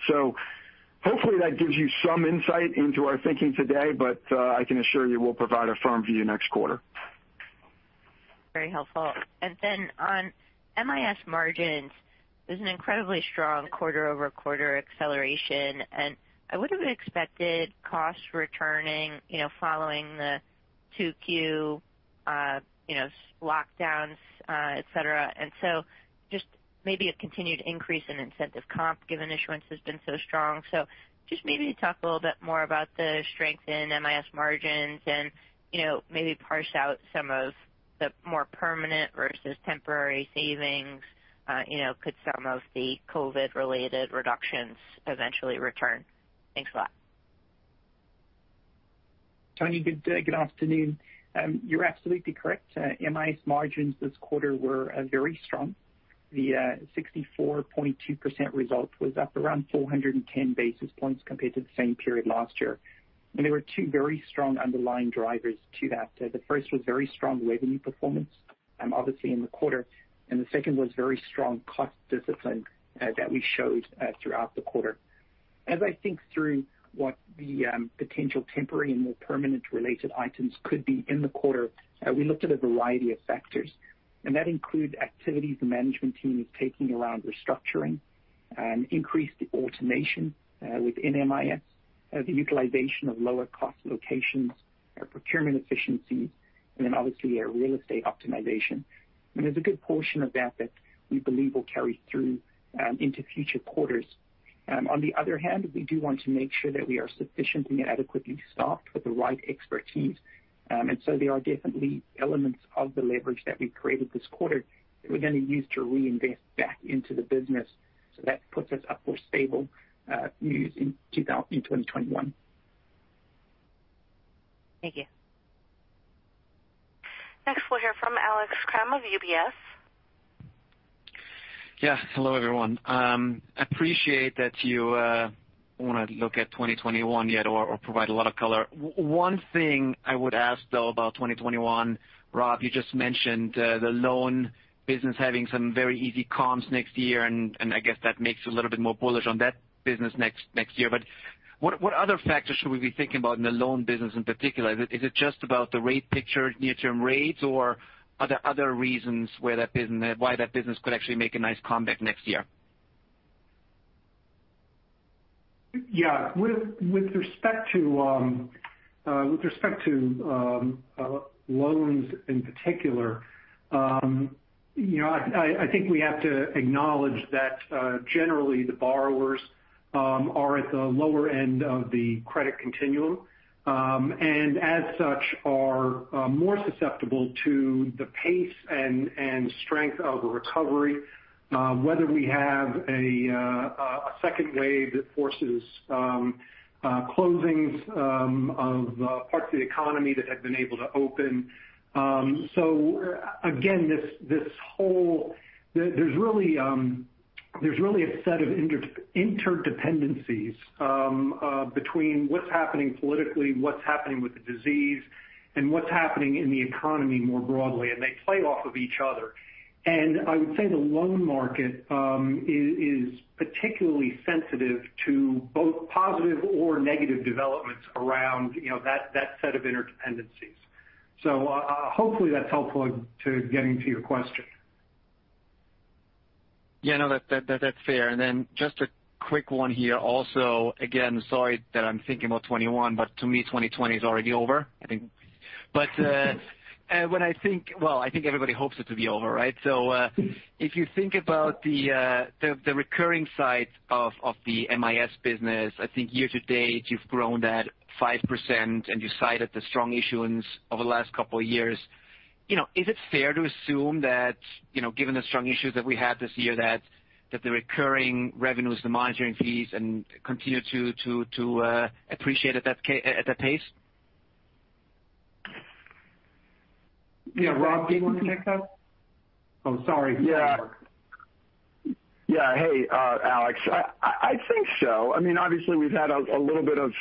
Hopefully that gives you some insight into our thinking today, but I can assure you we'll provide a firm view next quarter. Very helpful. On MIS margins, there's an incredibly strong quarter-over-quarter acceleration, and I would have expected costs returning following the 2Q lockdowns, et cetera. Just maybe a continued increase in incentive comp given issuance has been so strong. Just maybe talk a little bit more about the strength in MIS margins and maybe parse out some of the more permanent versus temporary savings. Could some of the COVID-related reductions eventually return? Thanks a lot. Toni, good afternoon. You're absolutely correct. MIS margins this quarter were very strong. The 64.2% result was up around 410 basis points compared to the same period last year. There were two very strong underlying drivers to that. The first was very strong revenue performance, obviously in the quarter. The second was very strong cost discipline that we showed throughout the quarter. As I think through what the potential temporary and more permanent related items could be in the quarter, we looked at a variety of factors. That includes activities the management team is taking around restructuring, increased automation within MIS, the utilization of lower cost locations, procurement efficiency, obviously our real estate optimization. There's a good portion of that we believe will carry through into future quarters. On the other hand, we do want to make sure that we are sufficiently and adequately staffed with the right expertise. There are definitely elements of the leverage that we've created this quarter that we're going to use to reinvest back into the business. That puts us us at more stable in 2021. Thank you. Next we'll hear from Alex Kramm of UBS. Yes. Hello, everyone. I appreciate that you want to look at 2021 yet or provide a lot of color. One thing I would ask, though, about 2021, Rob, you just mentioned the loan business having some very easy comps next year, and I guess that makes you a little bit more bullish on that business next year. What other factors should we be thinking about in the loan business in particular? Is it just about the rate picture, near-term rates, or are there other reasons why that business could actually make a nice comeback next year? Yeah. With respect to loans in particular, I think we have to acknowledge that, generally, the borrowers are at the lower end of the credit continuum, and as such, are more susceptible to the pace and strength of a recovery, whether we have a second wave that forces closings of parts of the economy that have been able to open. Again, there's really a set of interdependencies between what's happening politically, what's happening with the disease, and what's happening in the economy more broadly, and they play off of each other. I would say the loan market is particularly sensitive to both positive or negative developments around that set of interdependencies. Hopefully that's helpful to getting to your question. Yeah, no, that's fair. Just a quick one here also. Again, sorry that I'm thinking about 2021, to me, 2020 is already over, I think. Well, I think everybody hopes it to be over, right? If you think about the recurring side of the MIS business, I think year-to-date, you've grown that 5%, and you cited the strong issuance over the last couple of years. Is it fair to assume that given the strong issuance that we had this year, that the recurring revenues, the monitoring fees continue to appreciate at that pace? Yeah. Rob, do you want to take that? Oh, sorry. Yeah. Hey, Alex. I think so. Obviously, we've had a little bit of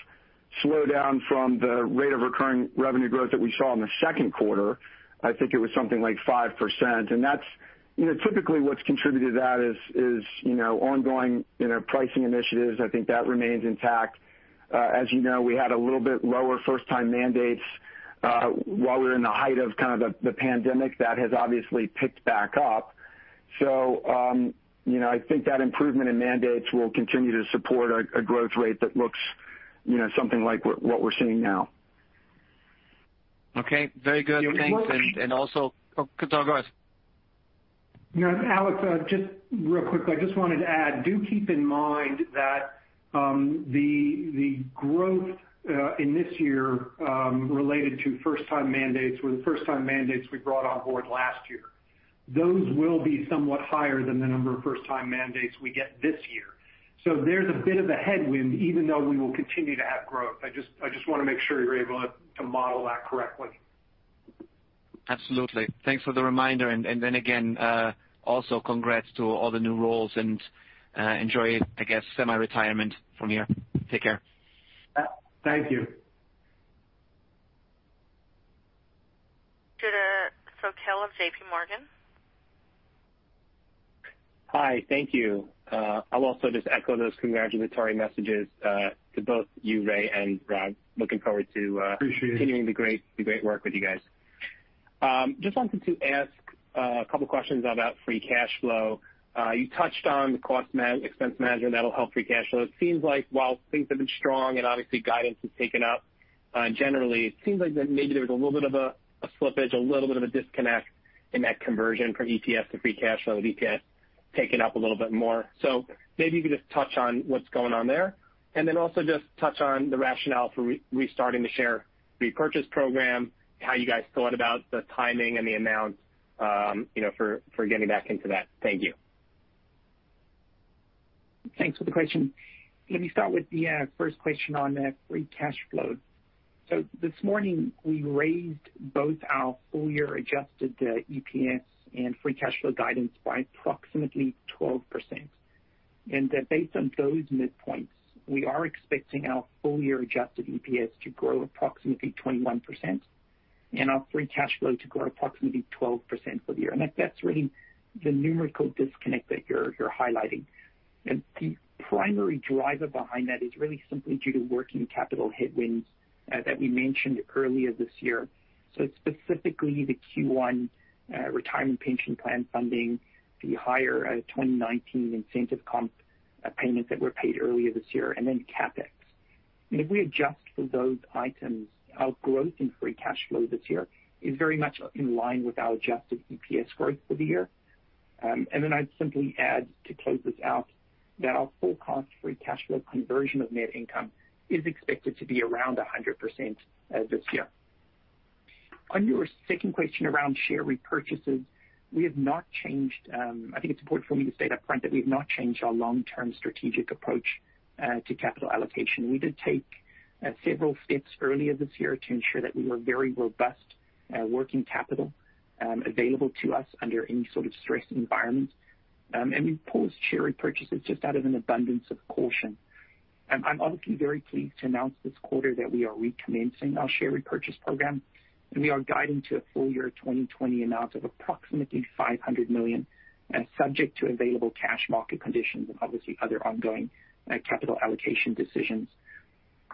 slowdown from the rate of recurring revenue growth that we saw in the second quarter. I think it was something like 5%. Typically, what's contributed to that is ongoing pricing initiatives. I think that remains intact. As you know, we had a little bit lower first-time mandates while we were in the height of the pandemic. That has obviously picked back up. I think that improvement in mandates will continue to support a growth rate that looks something like what we're seeing now. Okay. Very good. Thanks. Oh, go ahead. Alex, just real quickly, I just wanted to add, do keep in mind that the growth in this year related to first-time mandates were the first-time mandates we brought on board last year. Those will be somewhat higher than the number of first-time mandates we get this year. There's a bit of a headwind, even though we will continue to have growth. I just want to make sure you're able to model that correctly. Absolutely. Thanks for the reminder. Then again, also congrats to all the new roles and enjoy, I guess, semi-retirement from here. Take care. Thank you. Judah Sokel, JPMorgan. Hi. Thank you. I'll also just echo those congratulatory messages to both you, Ray and Rob. Appreciate it. continuing the great work with you guys. Wanted to ask a couple questions about free cash flow. You touched on the expense management that'll help free cash flow. It seems like while things have been strong and obviously guidance has taken up generally, it seems like maybe there was a little bit of a slippage, a little bit of a disconnect in that conversion from EPS to free cash flow, the EPS taking up a little bit more. Maybe you could just touch on what's going on there, also just touch on the rationale for restarting the share repurchase program, how you guys thought about the timing and the amount for getting back into that. Thank you. Thanks for the question. Let me start with the first question on free cash flow. This morning, we raised both our full year adjusted EPS and free cash flow guidance by approximately 12%. Based on those midpoints, we are expecting our full year adjusted EPS to grow approximately 21% and our free cash flow to grow approximately 12% for the year. That's really the numerical disconnect that you're highlighting. The primary driver behind that is really simply due to working capital headwinds that we mentioned earlier this year. Specifically the Q1 retirement pension plan funding, the higher 2019 incentive comp payments that were paid earlier this year, and then CapEx. If we adjust for those items, our growth in free cash flow this year is very much in line with our adjusted EPS growth for the year. I'd simply add to close this out that our full cost free cash flow conversion of net income is expected to be around 100% this year. On your second question around share repurchases, I think it's important for me to state up front that we've not changed our long-term strategic approach to capital allocation. We did take several steps earlier this year to ensure that we were very robust Working capital available to us under any sort of stress environment. We paused share repurchases just out of an abundance of caution. I'm obviously very pleased to announce this quarter that we are recommencing our share repurchase program, and we are guiding to a full year 2020 amount of approximately $500 million, subject to available cash market conditions and obviously other ongoing capital allocation decisions.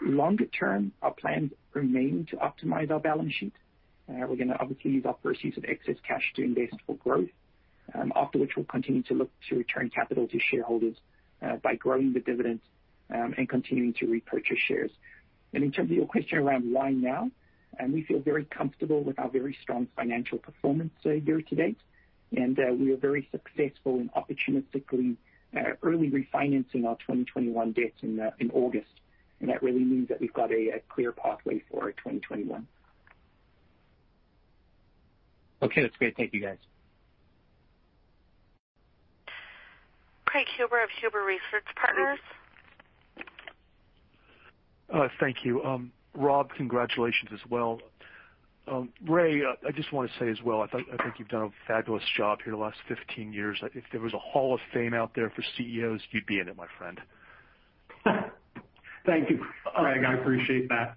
Longer term, our plans remain to optimize our balance sheet. We're going to obviously use our proceeds of excess cash to invest for growth, after which we'll continue to look to return capital to shareholders by growing the dividend and continuing to repurchase shares. In terms of your question around why now, we feel very comfortable with our very strong financial performance year-to-date, and we are very successful in opportunistically early refinancing our 2021 debts in August. That really means that we've got a clear pathway for 2021. Okay. That's great. Thank you, guys. Craig Huber of Huber Research Partners. Thank you. Rob, congratulations as well. Ray, I just want to say as well, I think you've done a fabulous job here the last 15 years. If there was a hall of fame out there for CEOs, you'd be in it, my friend. Thank you, Craig. I appreciate that.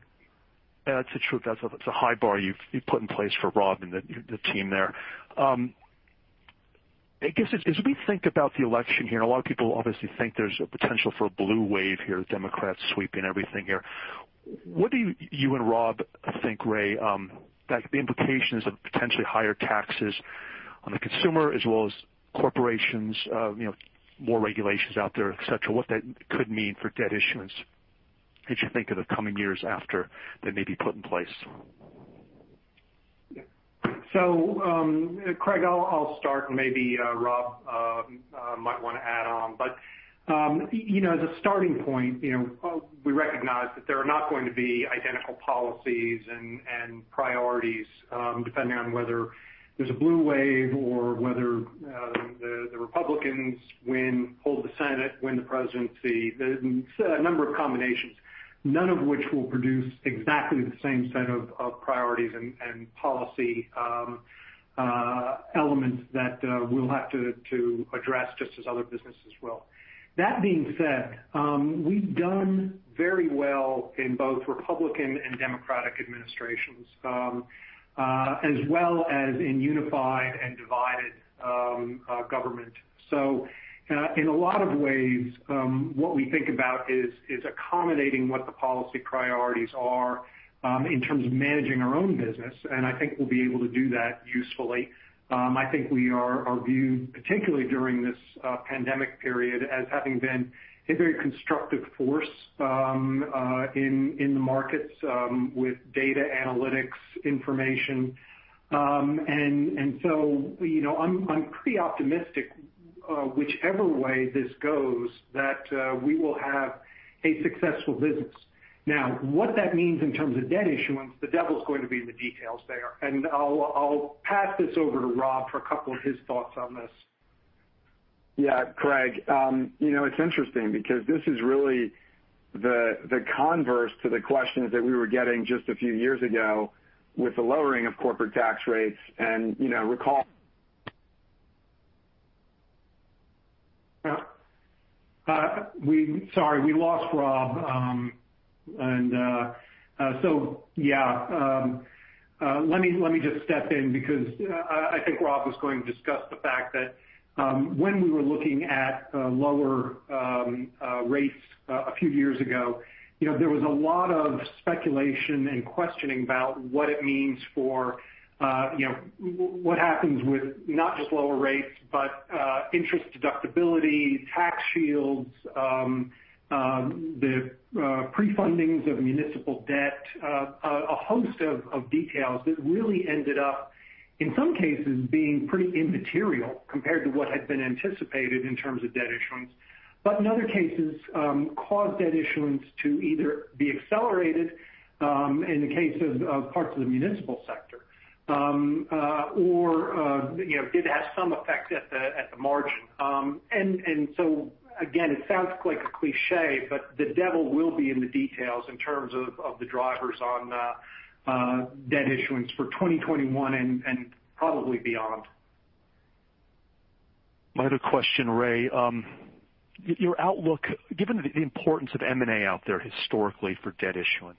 It's the truth. That's a high bar you've put in place for Rob and the team there. I guess as we think about the election here, and a lot of people obviously think there's a potential for a blue wave here, Democrats sweeping everything here. What do you and Rob think, Ray, the implications of potentially higher taxes on the consumer as well as corporations, more regulations out there, et cetera, what that could mean for debt issuance, as you think of the coming years after they may be put in place? Craig, I'll start and maybe Rob might want to add on. As a starting point, we recognize that there are not going to be identical policies and priorities, depending on whether there's a blue wave or whether the Republicans hold the Senate, win the presidency. There's a number of combinations, none of which will produce exactly the same set of priorities and policy elements that we'll have to address just as other businesses will. That being said, we've done very well in both Republican and Democratic administrations, as well as in unified and divided government. In a lot of ways, what we think about is accommodating what the policy priorities are in terms of managing our own business, and I think we'll be able to do that usefully. I think we are viewed, particularly during this pandemic period, as having been a very constructive force in the markets with data analytics information. I'm pretty optimistic whichever way this goes, that we will have a successful business. Now, what that means in terms of debt issuance, the devil's going to be in the details there. I'll pass this over to Rob for a couple of his thoughts on this. Yeah, Craig. It's interesting because this is really the converse to the questions that we were getting just a few years ago with the lowering of corporate tax rates. Sorry, we lost Rob. Yeah. Let me just step in because I think Rob was going to discuss the fact that when we were looking at lower rates a few years ago, there was a lot of speculation and questioning about what it means for what happens with not just lower rates, but interest deductibility, tax shields, the pre-fundings of municipal debt. A host of details that really ended up, in some cases, being pretty immaterial compared to what had been anticipated in terms of debt issuance, but in other cases, caused debt issuance to either be accelerated in the case of parts of the municipal sector or did have some effect at the margin. Again, it sounds like a cliché, but the devil will be in the details in terms of the drivers on debt issuance for 2021 and probably beyond. My other question, Ray. Your outlook, given the importance of M&A out there historically for debt issuance,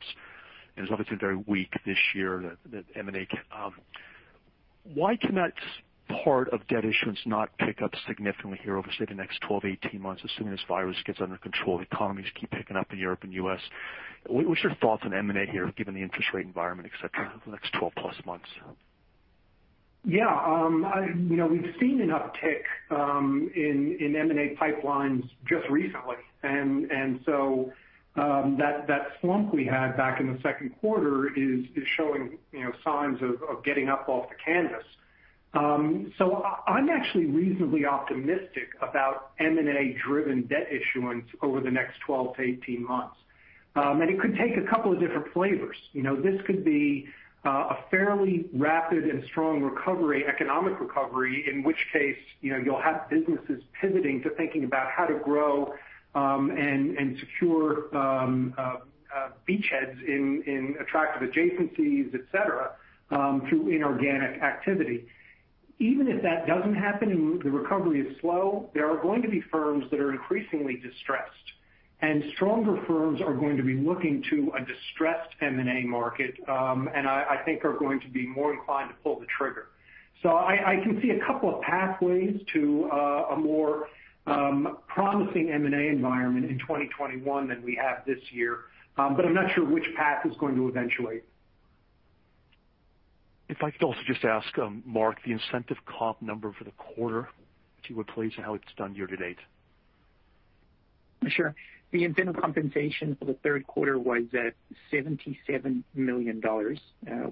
and it's obviously very weak this year, the M&A. Why can that part of debt issuance not pick up significantly here over, say, the next 12, 18 months, assuming this virus gets under control, the economies keep picking up in Europe and U.S.? What's your thoughts on M&A here, given the interest rate environment, et cetera, for the next 12+ months? Yeah. We've seen an uptick in M&A pipelines just recently. That slump we had back in the second quarter is showing signs of getting up off the canvas. I'm actually reasonably optimistic about M&A-driven debt issuance over the next 12-18 months. It could take a couple of different flavors. This could be a fairly rapid and strong economic recovery, in which case you'll have businesses pivoting to thinking about how to grow and secure beachheads in attractive adjacencies, et cetera, through inorganic activity. Even if that doesn't happen and the recovery is slow, there are going to be firms that are increasingly distressed, and stronger firms are going to be looking to a distressed M&A market, and I think are going to be more inclined to pull the trigger. I can see a couple of pathways to a more promising M&A environment in 2021 than we have this year. I'm not sure which path is going to eventuate. If I could also just ask Mark the incentive comp number for the quarter, if you would please, and how it's done year to date. Sure. The incentive compensation for the third quarter was at $77 million.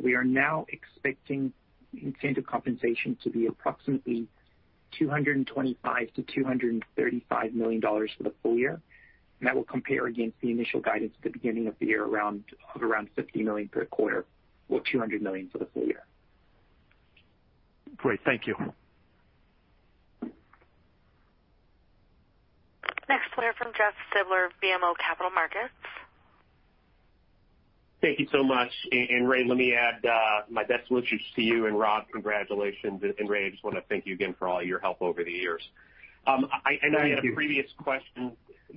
We are now expecting incentive compensation to be approximately $225 million-$235 million for the full year. That will compare against the initial guidance at the beginning of the year of around $50 million per quarter or $200 million for the full year. Great. Thank you. Next we'll hear from Jeffrey Silber, BMO Capital Markets. Thank you so much. Ray, let me add my best wishes to you and Rob. Congratulations. Ray, I just want to thank you again for all your help over the years. Thank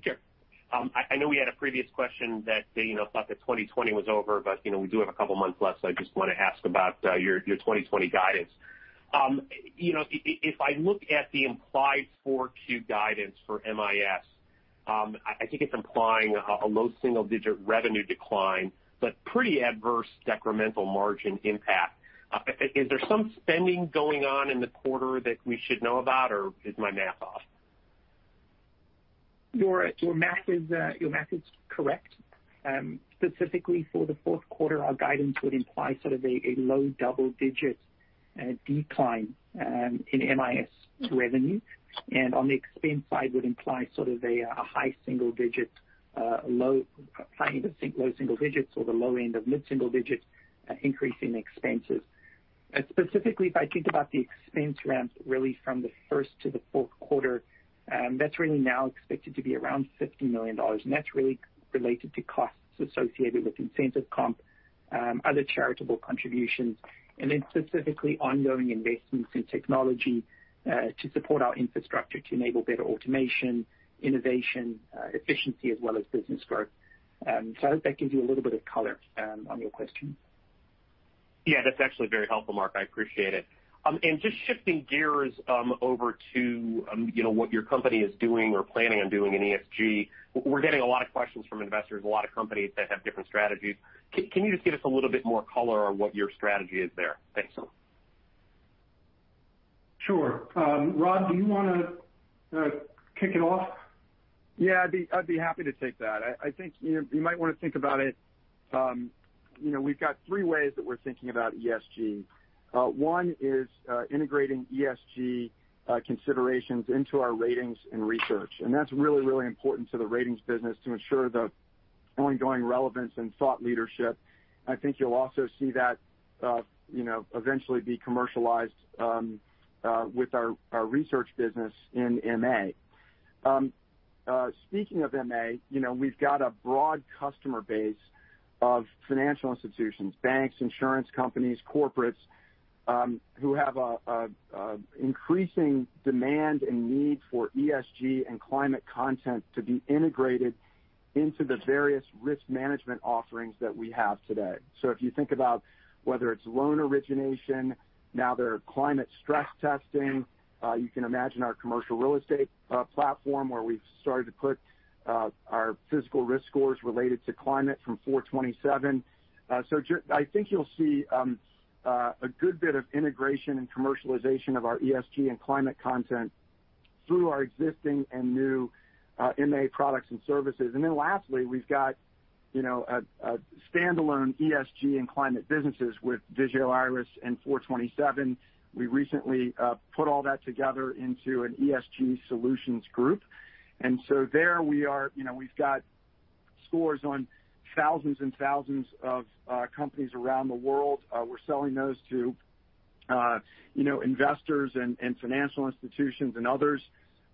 you. I know we had a previous question that they thought that 2020 was over, but we do have a couple of months left, so I just want to ask about your 2020 guidance. If I look at the implied 4Q guidance for MIS, I think it's implying a low single-digit revenue decline, but pretty adverse decremental margin impact. Is there some spending going on in the quarter that we should know about, or is my math off? Your math is correct. Specifically for the fourth quarter, our guidance would imply sort of a low double-digit decline in MIS revenue. On the expense side would imply sort of a high single digits, low single digits or the low end of mid-single digits increase in expenses. Specifically, if I think about the expense ramp, really from the first to the fourth quarter, that's really now expected to be around $50 million, and that's really related to costs associated with incentive comp, other charitable contributions, and then specifically ongoing investments in technology to support our infrastructure to enable better automation, innovation, efficiency, as well as business growth. I hope that gives you a little bit of color on your question. Yeah, that's actually very helpful, Mark Kaye. I appreciate it. Just shifting gears over to what your company is doing or planning on doing in ESG. We're getting a lot of questions from investors, a lot of companies that have different strategies. Can you just give us a little bit more color on what your strategy is there? Thanks. Sure. Rob, do you want to kick it off? Yeah, I'd be happy to take that. I think you might want to think about it. We've got three ways that we're thinking about ESG. One is integrating ESG considerations into our ratings and research. That's really important to the ratings business to ensure the ongoing relevance and thought leadership. I think you'll also see that eventually be commercialized with our research business in MA. Speaking of MA, we've got a broad customer base of financial institutions, banks, insurance companies, corporates who have increasing demand and need for ESG and climate content to be integrated into the various risk management offerings that we have today. If you think about whether it's loan origination, now there are climate stress testing. You can imagine our commercial real estate platform where we've started to put our physical risk scores related to climate from Four Twenty Seven. I think you'll see a good bit of integration and commercialization of our ESG and climate content through our existing and new MA products and services. Lastly, we've got standalone ESG and climate businesses with Vigeo Eiris and Four Twenty Seven. We recently put all that together into an ESG Solutions Group. There we've got scores on thousands and thousands of companies around the world. We're selling those to investors and financial institutions and others.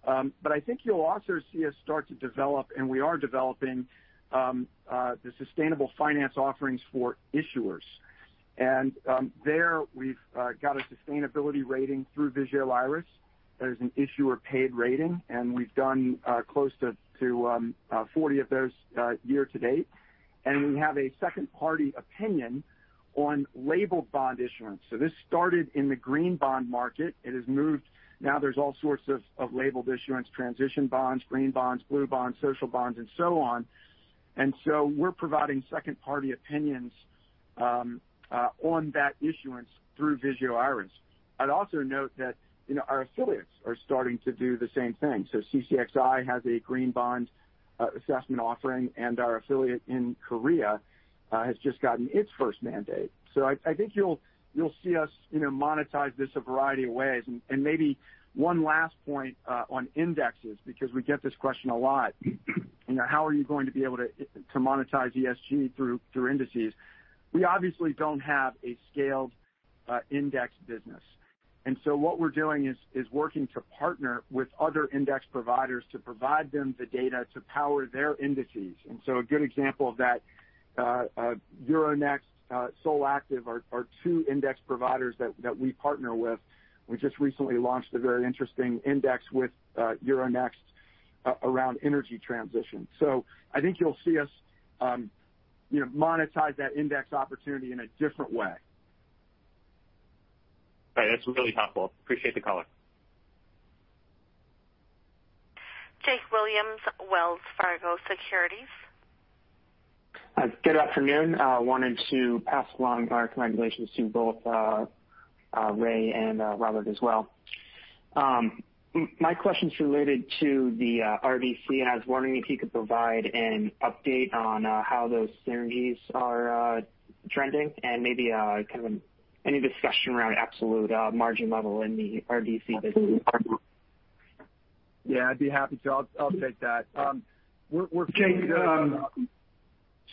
I think you'll also see us start to develop, and we are developing the sustainable finance offerings for issuers. There we've got a sustainability rating through Vigeo Eiris. There's an issuer paid rating, and we've done close to 40 of those year to date. We have a second party opinion on labeled bond issuance. This started in the green bond market. It has moved. Now there's all sorts of labeled issuance, transition bonds, green bonds, blue bonds, social bonds, and so on. We're providing second party opinions on that issuance through Vigeo Eiris. I'd also note that our affiliates are starting to do the same thing. CCXI has a green bond assessment offering, and our affiliate in Korea has just gotten its first mandate. I think you'll see us monetize this a variety of ways. Maybe one last point on indexes, because we get this question a lot. How are you going to be able to monetize ESG through indices? We obviously don't have a scaled index business. What we're doing is working to partner with other index providers to provide them the data to power their indices. A good example of that, Euronext, Solactive are two index providers that we partner with. We just recently launched a very interesting index with Euronext around energy transition. I think you'll see us monetize that index opportunity in a different way. All right. That's really helpful. Appreciate the color. Jake Williams, Wells Fargo Securities. Good afternoon. I wanted to pass along our congratulations to both Ray and Rob as well. My question's related to the RDC, I was wondering if you could provide an update on how those synergies are trending and maybe kind of any discussion around absolute margin level in the RDC business. Yeah, I'd be happy to. I'll take that. Jake.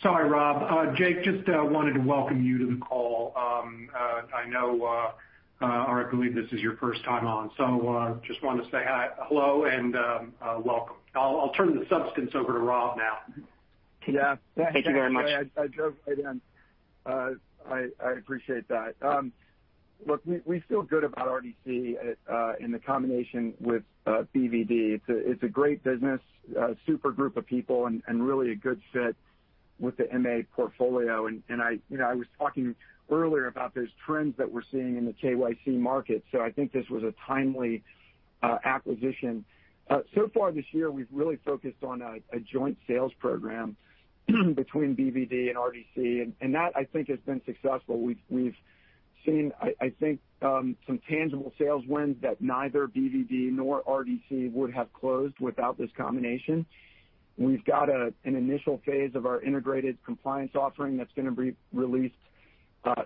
Sorry, Rob. Jake, just wanted to welcome you to the call. I know, I believe this is your first time on, so just wanted to say hello and welcome. I'll turn the substance over to Rob now. Yeah. Thank you very much. I appreciate that. Look, we feel good about RDC in the combination with BvD. It's a great business, a super group of people and really a good fit with the MA portfolio. I was talking earlier about those trends that we're seeing in the KYC market. I think this was a timely acquisition. So far this year, we've really focused on a joint sales program between BvD and RDC, and that I think has been successful. We've seen, I think, some tangible sales wins that neither BvD nor RDC would have closed without this combination. We've got an initial phase of our integrated compliance offering that's going to be released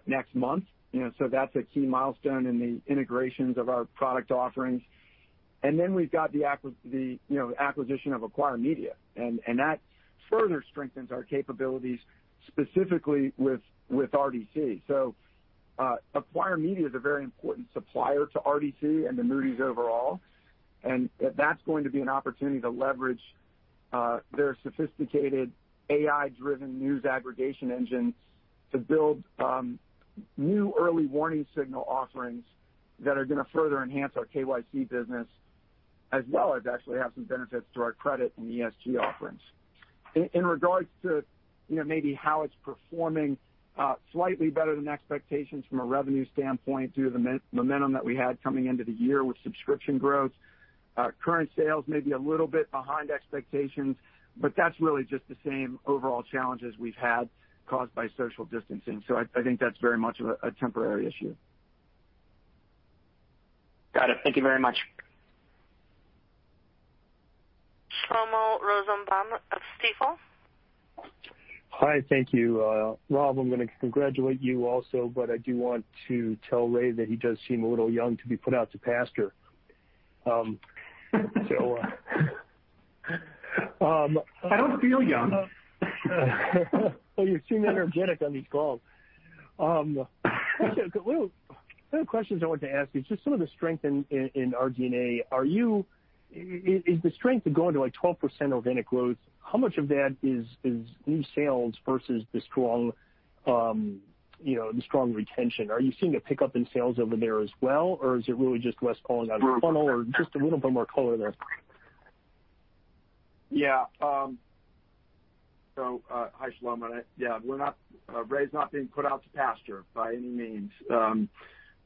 next month. That's a key milestone in the integrations of our product offerings. We've got the acquisition of Acquire Media, and that further strengthens our capabilities specifically with RDC. Acquire Media is a very important supplier to RDC and to Moody's overall. That's going to be an opportunity to leverage their sophisticated AI-driven news aggregation engine to build new early warning signal offerings that are going to further enhance our KYC business as well as actually have some benefits to our credit and ESG offerings. In regards to maybe how it's performing slightly better than expectations from a revenue standpoint due to the momentum that we had coming into the year with subscription growth. Current sales may be a little bit behind expectations, but that's really just the same overall challenges we've had caused by social distancing. I think that's very much a temporary issue. Got it. Thank you very much. Shlomo Rosenbaum of Stifel. Hi. Thank you. Rob, I'm going to congratulate you also, but I do want to tell Ray that he does seem a little young to be put out to pasture. I don't feel young. Well, you seem energetic on these calls. Actually, the questions I wanted to ask is just some of the strength in RD&A. Is the strength of going to 12% organic growth, how much of that is new sales versus the strong retention? Are you seeing a pickup in sales over there as well, or is it really just less falling out of the funnel or just a little bit more color there? Hi, Shlomo. Yeah, Ray's not being put out to pasture by any means.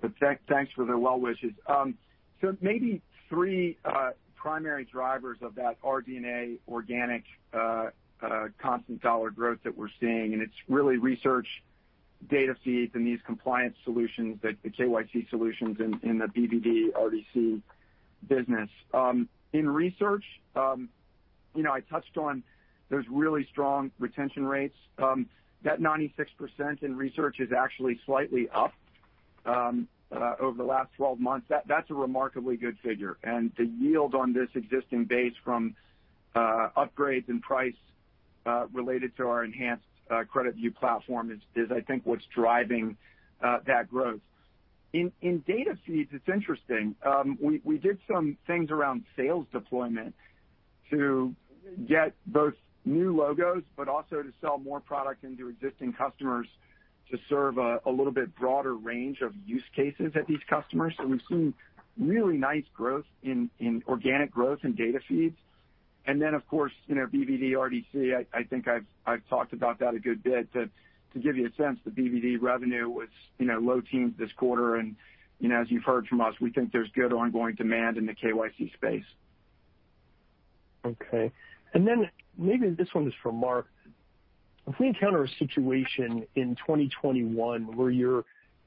Thanks for the well wishes. Maybe three primary drivers of that RD&A organic constant dollar growth that we're seeing, and it's really research data feeds and these compliance solutions that the KYC solutions in the BvD RDC business. In research I touched on those really strong retention rates. That 96% in research is actually slightly up over the last 12 months. That's a remarkably good figure. The yield on this existing base from upgrades in price related to our enhanced CreditView platform is I think what's driving that growth. In data feeds, it's interesting. We did some things around sales deployment to get both new logos, but also to sell more product into existing customers to serve a little bit broader range of use cases at these customers. We've seen really nice growth in organic growth in data feeds. Of course BvD RDC, I think I've talked about that a good bit. To give you a sense, the BvD revenue was low teens this quarter. As you've heard from us, we think there's good ongoing demand in the KYC space. Okay. Maybe this one is for Mark. If we encounter a situation in 2021 where you're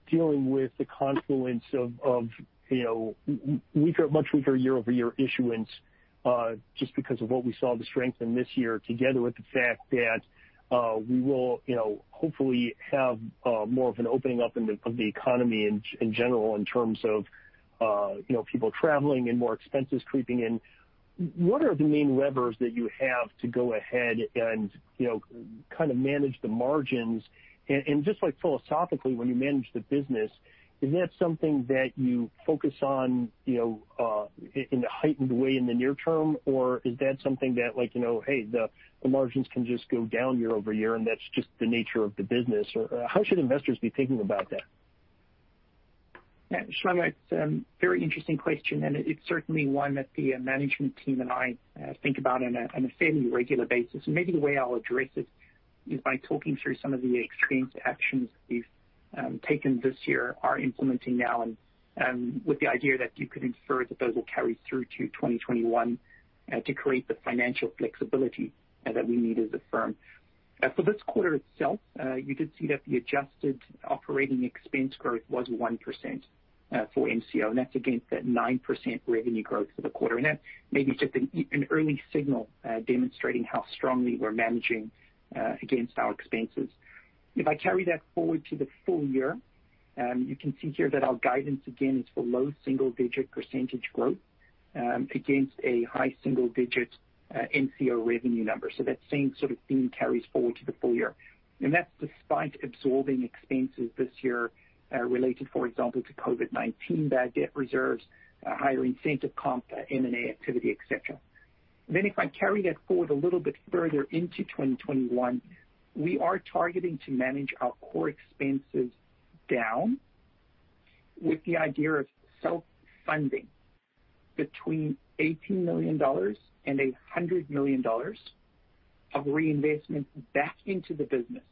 dealing with the confluence of much weaker year-over-year issuance just because of what we saw the strength in this year, together with the fact that we will hopefully have more of an opening up of the economy in general in terms of people traveling and more expenses creeping in. What are the main levers that you have to go ahead and kind of manage the margins? Just like philosophically, when you manage the business, is that something that you focus on in a heightened way in the near term, or is that something that like, "Hey, the margins can just go down year over year, and that's just the nature of the business." How should investors be thinking about that? Yeah, it's a very interesting question, and it's certainly one that the management team and I think about on a fairly regular basis. Maybe the way I'll address it is by talking through some of the extreme actions we've taken this year, are implementing now, and with the idea that you could infer that those will carry through to 2021 to create the financial flexibility that we need as a firm. For this quarter itself, you did see that the adjusted operating expense growth was 1% for MCO, and that's against that 9% revenue growth for the quarter. That may be just an early signal demonstrating how strongly we're managing against our expenses. If I carry that forward to the full year, you can see here that our guidance, again, is for low single-digit percentage growth against a high single-digit MCO revenue number. That same sort of theme carries forward to the full year. That's despite absorbing expenses this year related, for example, to COVID-19 bad debt reserves, higher incentive comp, M&A activity, et cetera. If I carry that forward a little bit further into 2021, we are targeting to manage our core expenses down with the idea of self-funding between $80 million and $100 million of reinvestment back into the business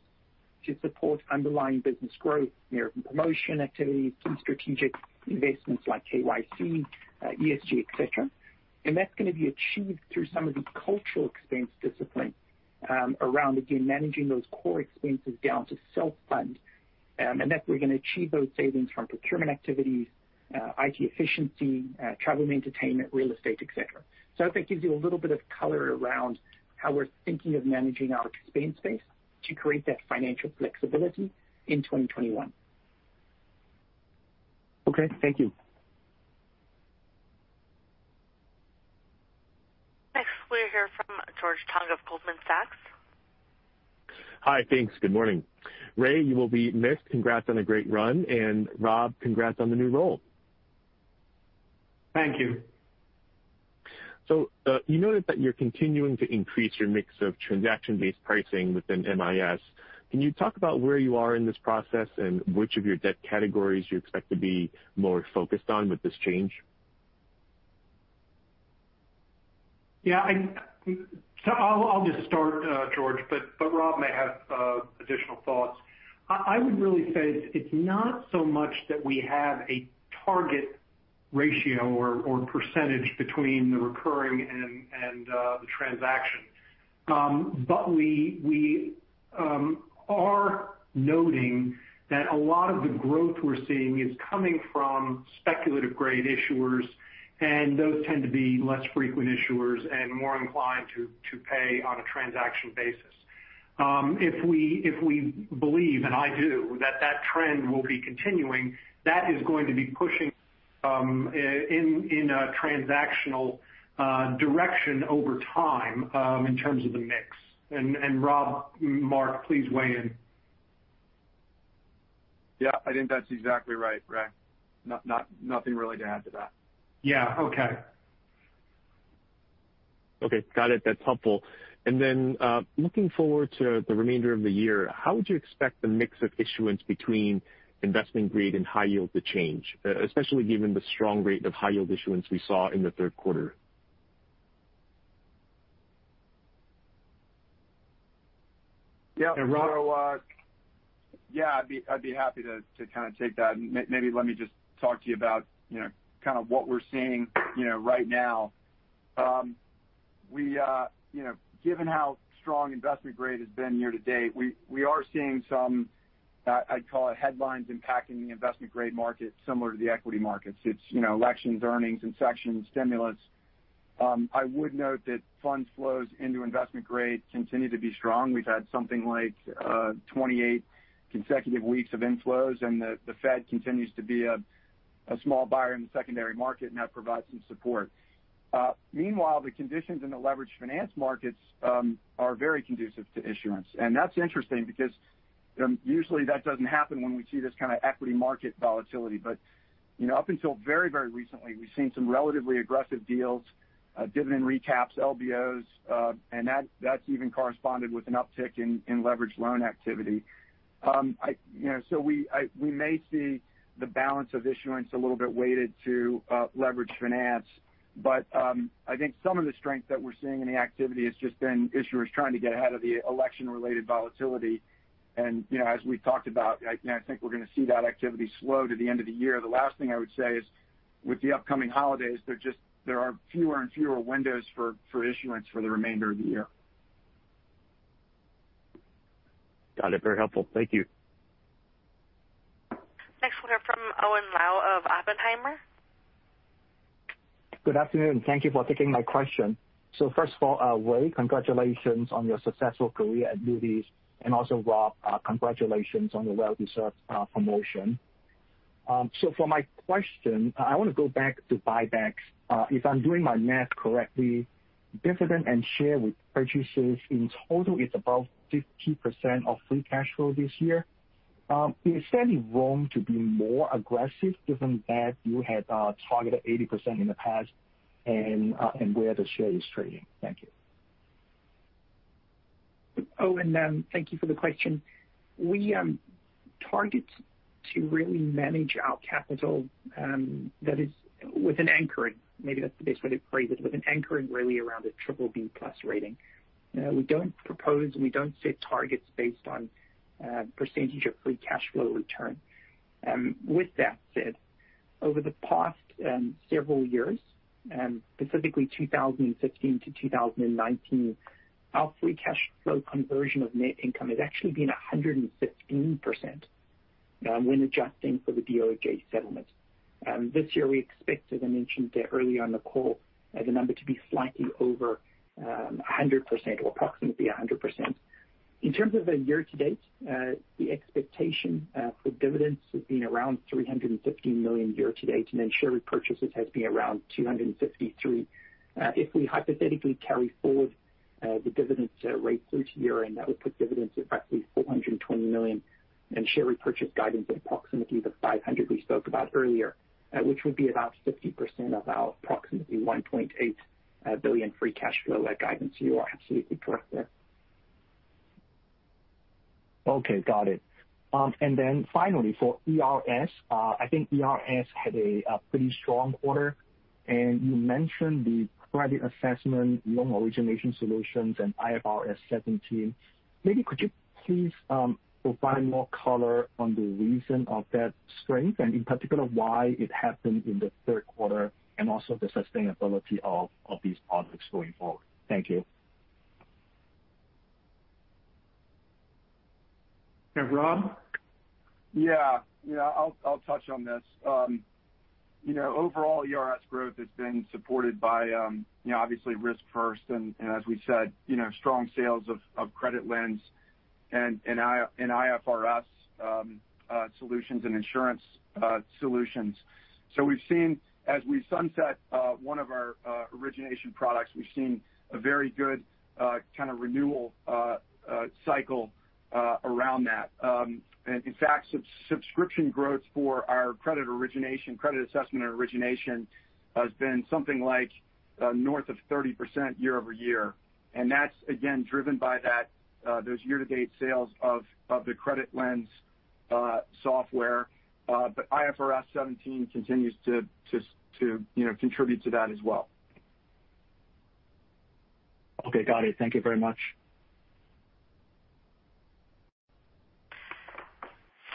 to support underlying business growth, marketing promotion activities, key strategic investments like KYC, ESG, et cetera. That's going to be achieved through some of the cultural expense discipline around, again, managing those core expenses down to self-fund. That we're going to achieve those savings from procurement activities, IT efficiency, travel and entertainment, real estate, et cetera. I hope that gives you a little bit of color around how we're thinking of managing our expense base to create that financial flexibility in 2021. Okay. Thank you. Next we'll hear from George Tong of Goldman Sachs. Hi. Thanks. Good morning. Ray, you will be missed. Congrats on a great run, and Rob, congrats on the new role. Thank you. You noted that you're continuing to increase your mix of transaction-based pricing within MIS. Can you talk about where you are in this process and which of your debt categories you expect to be more focused on with this change? Yeah. I'll just start, George, but Rob may have additional thoughts. I would really say it's not so much that we have a target ratio or percentage between the recurring and the transaction. We are noting that a lot of the growth we're seeing is coming from speculative-grade issuers, and those tend to be less frequent issuers and more inclined to pay on a transaction basis. If we believe, and I do, that that trend will be continuing, that is going to be pushing in a transactional direction over time in terms of the mix. Rob, Mark, please weigh in. Yeah. I think that's exactly right, Ray. Nothing really to add to that. Yeah. Okay. Okay. Got it. That's helpful. Looking forward to the remainder of the year, how would you expect the mix of issuance between investment grade and high yield to change, especially given the strong rate of high yield issuance we saw in the third quarter? Yeah, Rob? Yeah, I'd be happy to take that. Maybe let me just talk to you about what we're seeing right now. Given how strong investment grade has been year to date, we are seeing some, I'd call it headlines impacting the investment grade market similar to the equity markets. It's elections, earnings, infection, stimulus. I would note that fund flows into investment grade continue to be strong. We've had something like 28 consecutive weeks of inflows, and the Fed continues to be a small buyer in the secondary market, and that provides some support. Meanwhile, the conditions in the leveraged finance markets are very conducive to issuance. That's interesting because usually that doesn't happen when we see this kind of equity market volatility. Up until very recently, we've seen some relatively aggressive deals, dividend recaps, LBOs, and that's even corresponded with an uptick in leverage loan activity. We may see the balance of issuance a little bit weighted to leverage finance. I think some of the strength that we're seeing in the activity has just been issuers trying to get ahead of the election-related volatility. As we talked about, I think we're going to see that activity slow to the end of the year. The last thing I would say is with the upcoming holidays, there are fewer and fewer windows for issuance for the remainder of the year. Got it. Very helpful. Thank you. Next we'll hear from Owen Lau of Oppenheimer. Good afternoon. Thank you for taking my question. First of all, Ray, congratulations on your successful career at Moody's, and also Rob, congratulations on your well-deserved promotion. For my question, I want to go back to buybacks. If I'm doing my math correctly, dividend and share repurchases in total is above 50% of free cash flow this year. Is it wrong to be more aggressive given that you had targeted 80% in the past and where the share is trading? Thank you. Owen, thank you for the question. We target to really manage our capital that is with an anchoring, maybe that's the best way to phrase it, with an anchoring really around a BBB+ rating. We don't propose and we don't set targets based on percentage of free cash flow return. With that said, over the past several years, specifically 2016-2019, our free cash flow conversion of net income has actually been 115% when adjusting for the DOJ settlement. This year, we expected, I mentioned it early on the call, the number to be slightly over 100% or approximately 100%. In terms of a year to date, the expectation for dividends has been around $350 million year to date, and then share repurchases has been around $253 million. If we hypothetically carry forward the dividends rate through to year-end, that would put dividends at roughly $420 million and share repurchase guidance in proximity to $500 million we spoke about earlier, which would be about 50% of our approximately $1.8 billion free cash flow guidance. You are absolutely correct there. Okay. Got it. Finally, for ERS, I think ERS had a pretty strong quarter, and you mentioned the credit assessment, loan origination solutions, and IFRS 17. Maybe could you please provide more color on the reason of that strength and in particular, why it happened in the third quarter, and also the sustainability of these products going forward? Thank you. Rob? Yeah. I'll touch on this. Overall, ERS growth has been supported by obviously RiskFirst and, as we said, strong sales of CreditLens and IFRS solutions and insurance solutions. As we sunset one of our origination products, we've seen a very good kind of renewal cycle around that. In fact, subscription growth for our credit origination, credit assessment and origination, has been something like north of 30% year-over-year. That's again, driven by those year-to-date sales of the CreditLens software. IFRS 17 continues to contribute to that as well. Okay. Got it. Thank you very much.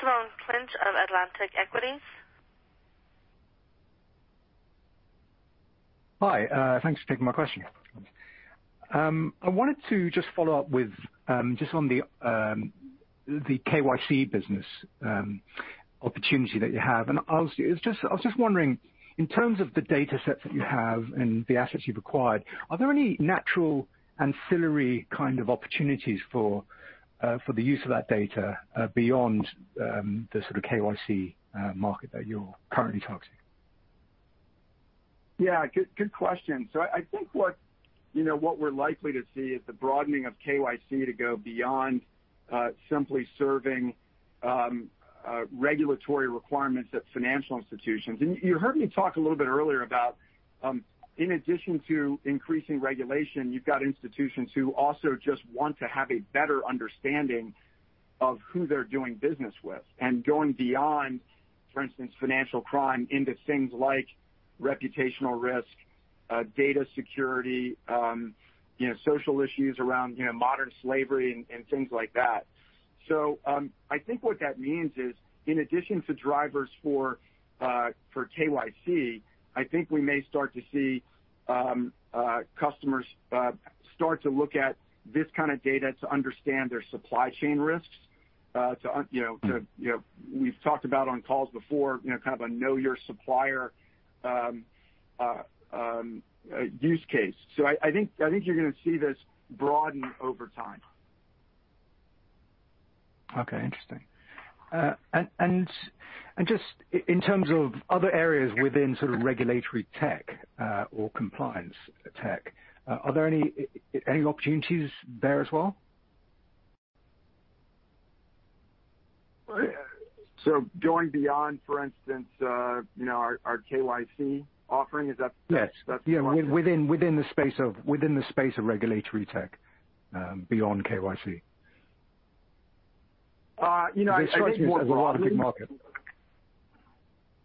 Simon Clinch of Atlantic Equities. Hi, thanks for taking my question. I wanted to just follow up with just on the KYC business opportunity that you have. I was just wondering, in terms of the data sets that you have and the assets you've acquired, are there any natural ancillary kind of opportunities for the use of that data beyond the sort of KYC market that you're currently talking? Yeah. Good question. I think what we're likely to see is the broadening of KYC to go beyond simply serving regulatory requirements at financial institutions. You heard me talk a little bit earlier about in addition to increasing regulation, you've got institutions who also just want to have a better understanding of who they're doing business with and going beyond, for instance, financial crime into things like reputational risk, data security, social issues around modern slavery and things like that. I think what that means is in addition to drivers for KYC, I think we may start to see customers start to look at this kind of data to understand their supply chain risks. We've talked about on calls before, kind of a know your supplier use case. I think you're going to see this broaden over time. Okay. Interesting. Just in terms of other areas within sort of regulatory tech or compliance tech, are there any opportunities there as well? Going beyond, for instance our KYC offering, is that the question? Yes. Within the space of regulatory tech beyond KYC. I think more broadly. It strikes me as a rather big market.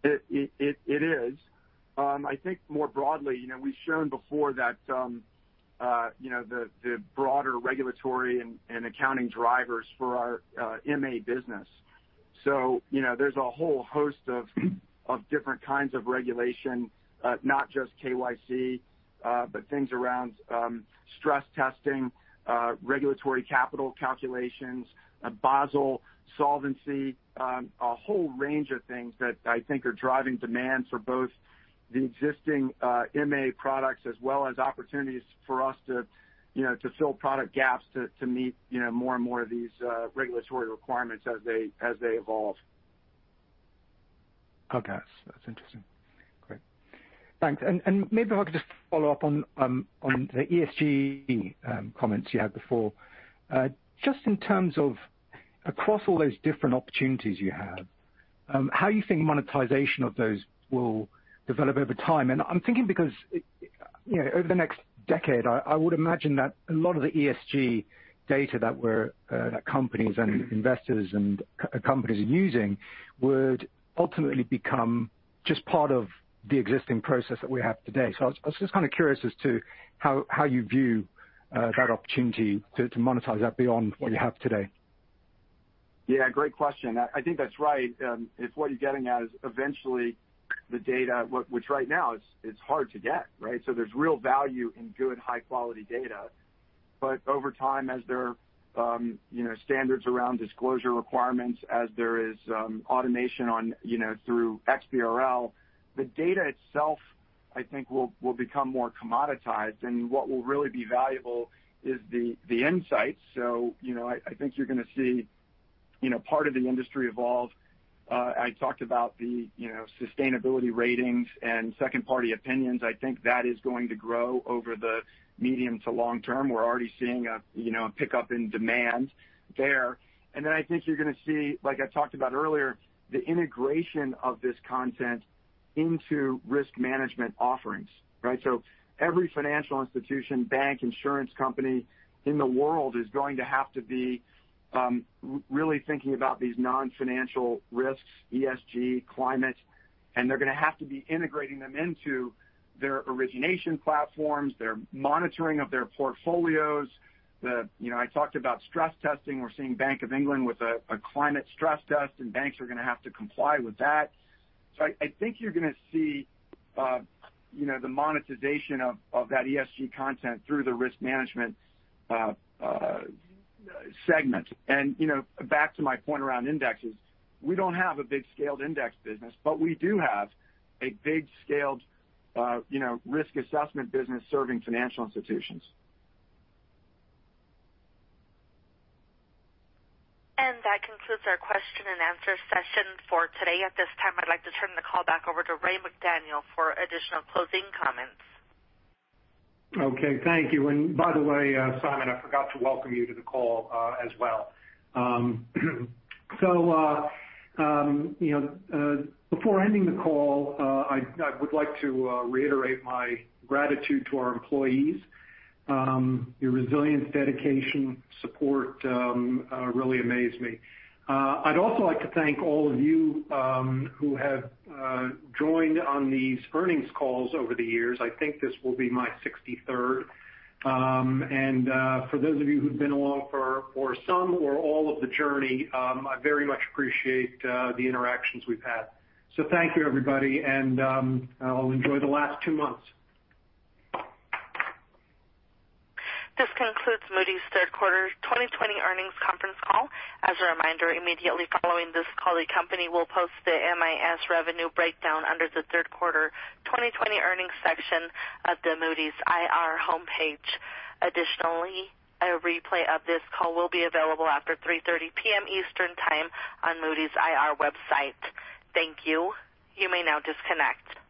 It is. I think more broadly, we've shown before that the broader regulatory and accounting drivers for our MA business. There's a whole host of different kinds of regulation, not just KYC, but things around stress testing, regulatory capital calculations, Basel, solvency, a whole range of things that I think are driving demand for both the existing MA products as well as opportunities for us to fill product gaps to meet more and more of these regulatory requirements as they evolve. Okay. That's interesting. Great. Thanks. Maybe if I could just follow up on the ESG comments you had before. Just in terms of across all those different opportunities you have, how do you think monetization of those will develop over time? I'm thinking because over the next decade, I would imagine that a lot of the ESG data that companies and investors are using would ultimately become just part of the existing process that we have today. I was just kind of curious as to how you view that opportunity to monetize that beyond what you have today. Yeah, great question. I think that's right. If what you're getting at is eventually the data, which right now is hard to get, right? There's real value in good, high-quality data. Over time, as there are standards around disclosure requirements, as there is automation through XBRL, the data itself, I think, will become more commoditized. What will really be valuable is the insights. I think you're going to see part of the industry evolve. I talked about the sustainability ratings and second-party opinions. I think that is going to grow over the medium to long term. We're already seeing a pickup in demand there. I think you're going to see, like I talked about earlier, the integration of this content into risk management offerings. Right? Every financial institution, bank, insurance company in the world is going to have to be really thinking about these non-financial risks, ESG, climate, and they're going to have to be integrating them into their origination platforms, their monitoring of their portfolios. I talked about stress testing. We're seeing Bank of England with a climate stress test, and banks are going to have to comply with that. I think you're going to see the monetization of that ESG content through the risk management segment. Back to my point around indexes, we don't have a big scaled index business, but we do have a big scaled risk assessment business serving financial institutions. That concludes our question and answer session for today. At this time, I'd like to turn the call back over to Ray McDaniel for additional closing comments. Thank you. By the way, Simon, I forgot to welcome you to the call as well. Before ending the call, I would like to reiterate my gratitude to our employees. Your resilience, dedication, support really amaze me. I'd also like to thank all of you who have joined on these earnings calls over the years. I think this will be my 63rd. For those of you who've been along for some or all of the journey, I very much appreciate the interactions we've had. Thank you, everybody, and I'll enjoy the last two months. This concludes Moody's third quarter 2020 earnings conference call. As a reminder, immediately following this call, the company will post the MIS revenue breakdown under the third quarter 2020 earnings section of the Moody's IR homepage. Additionally, a replay of this call will be available after 3:30 P.M. Eastern Time on Moody's IR website. Thank you. You may now disconnect.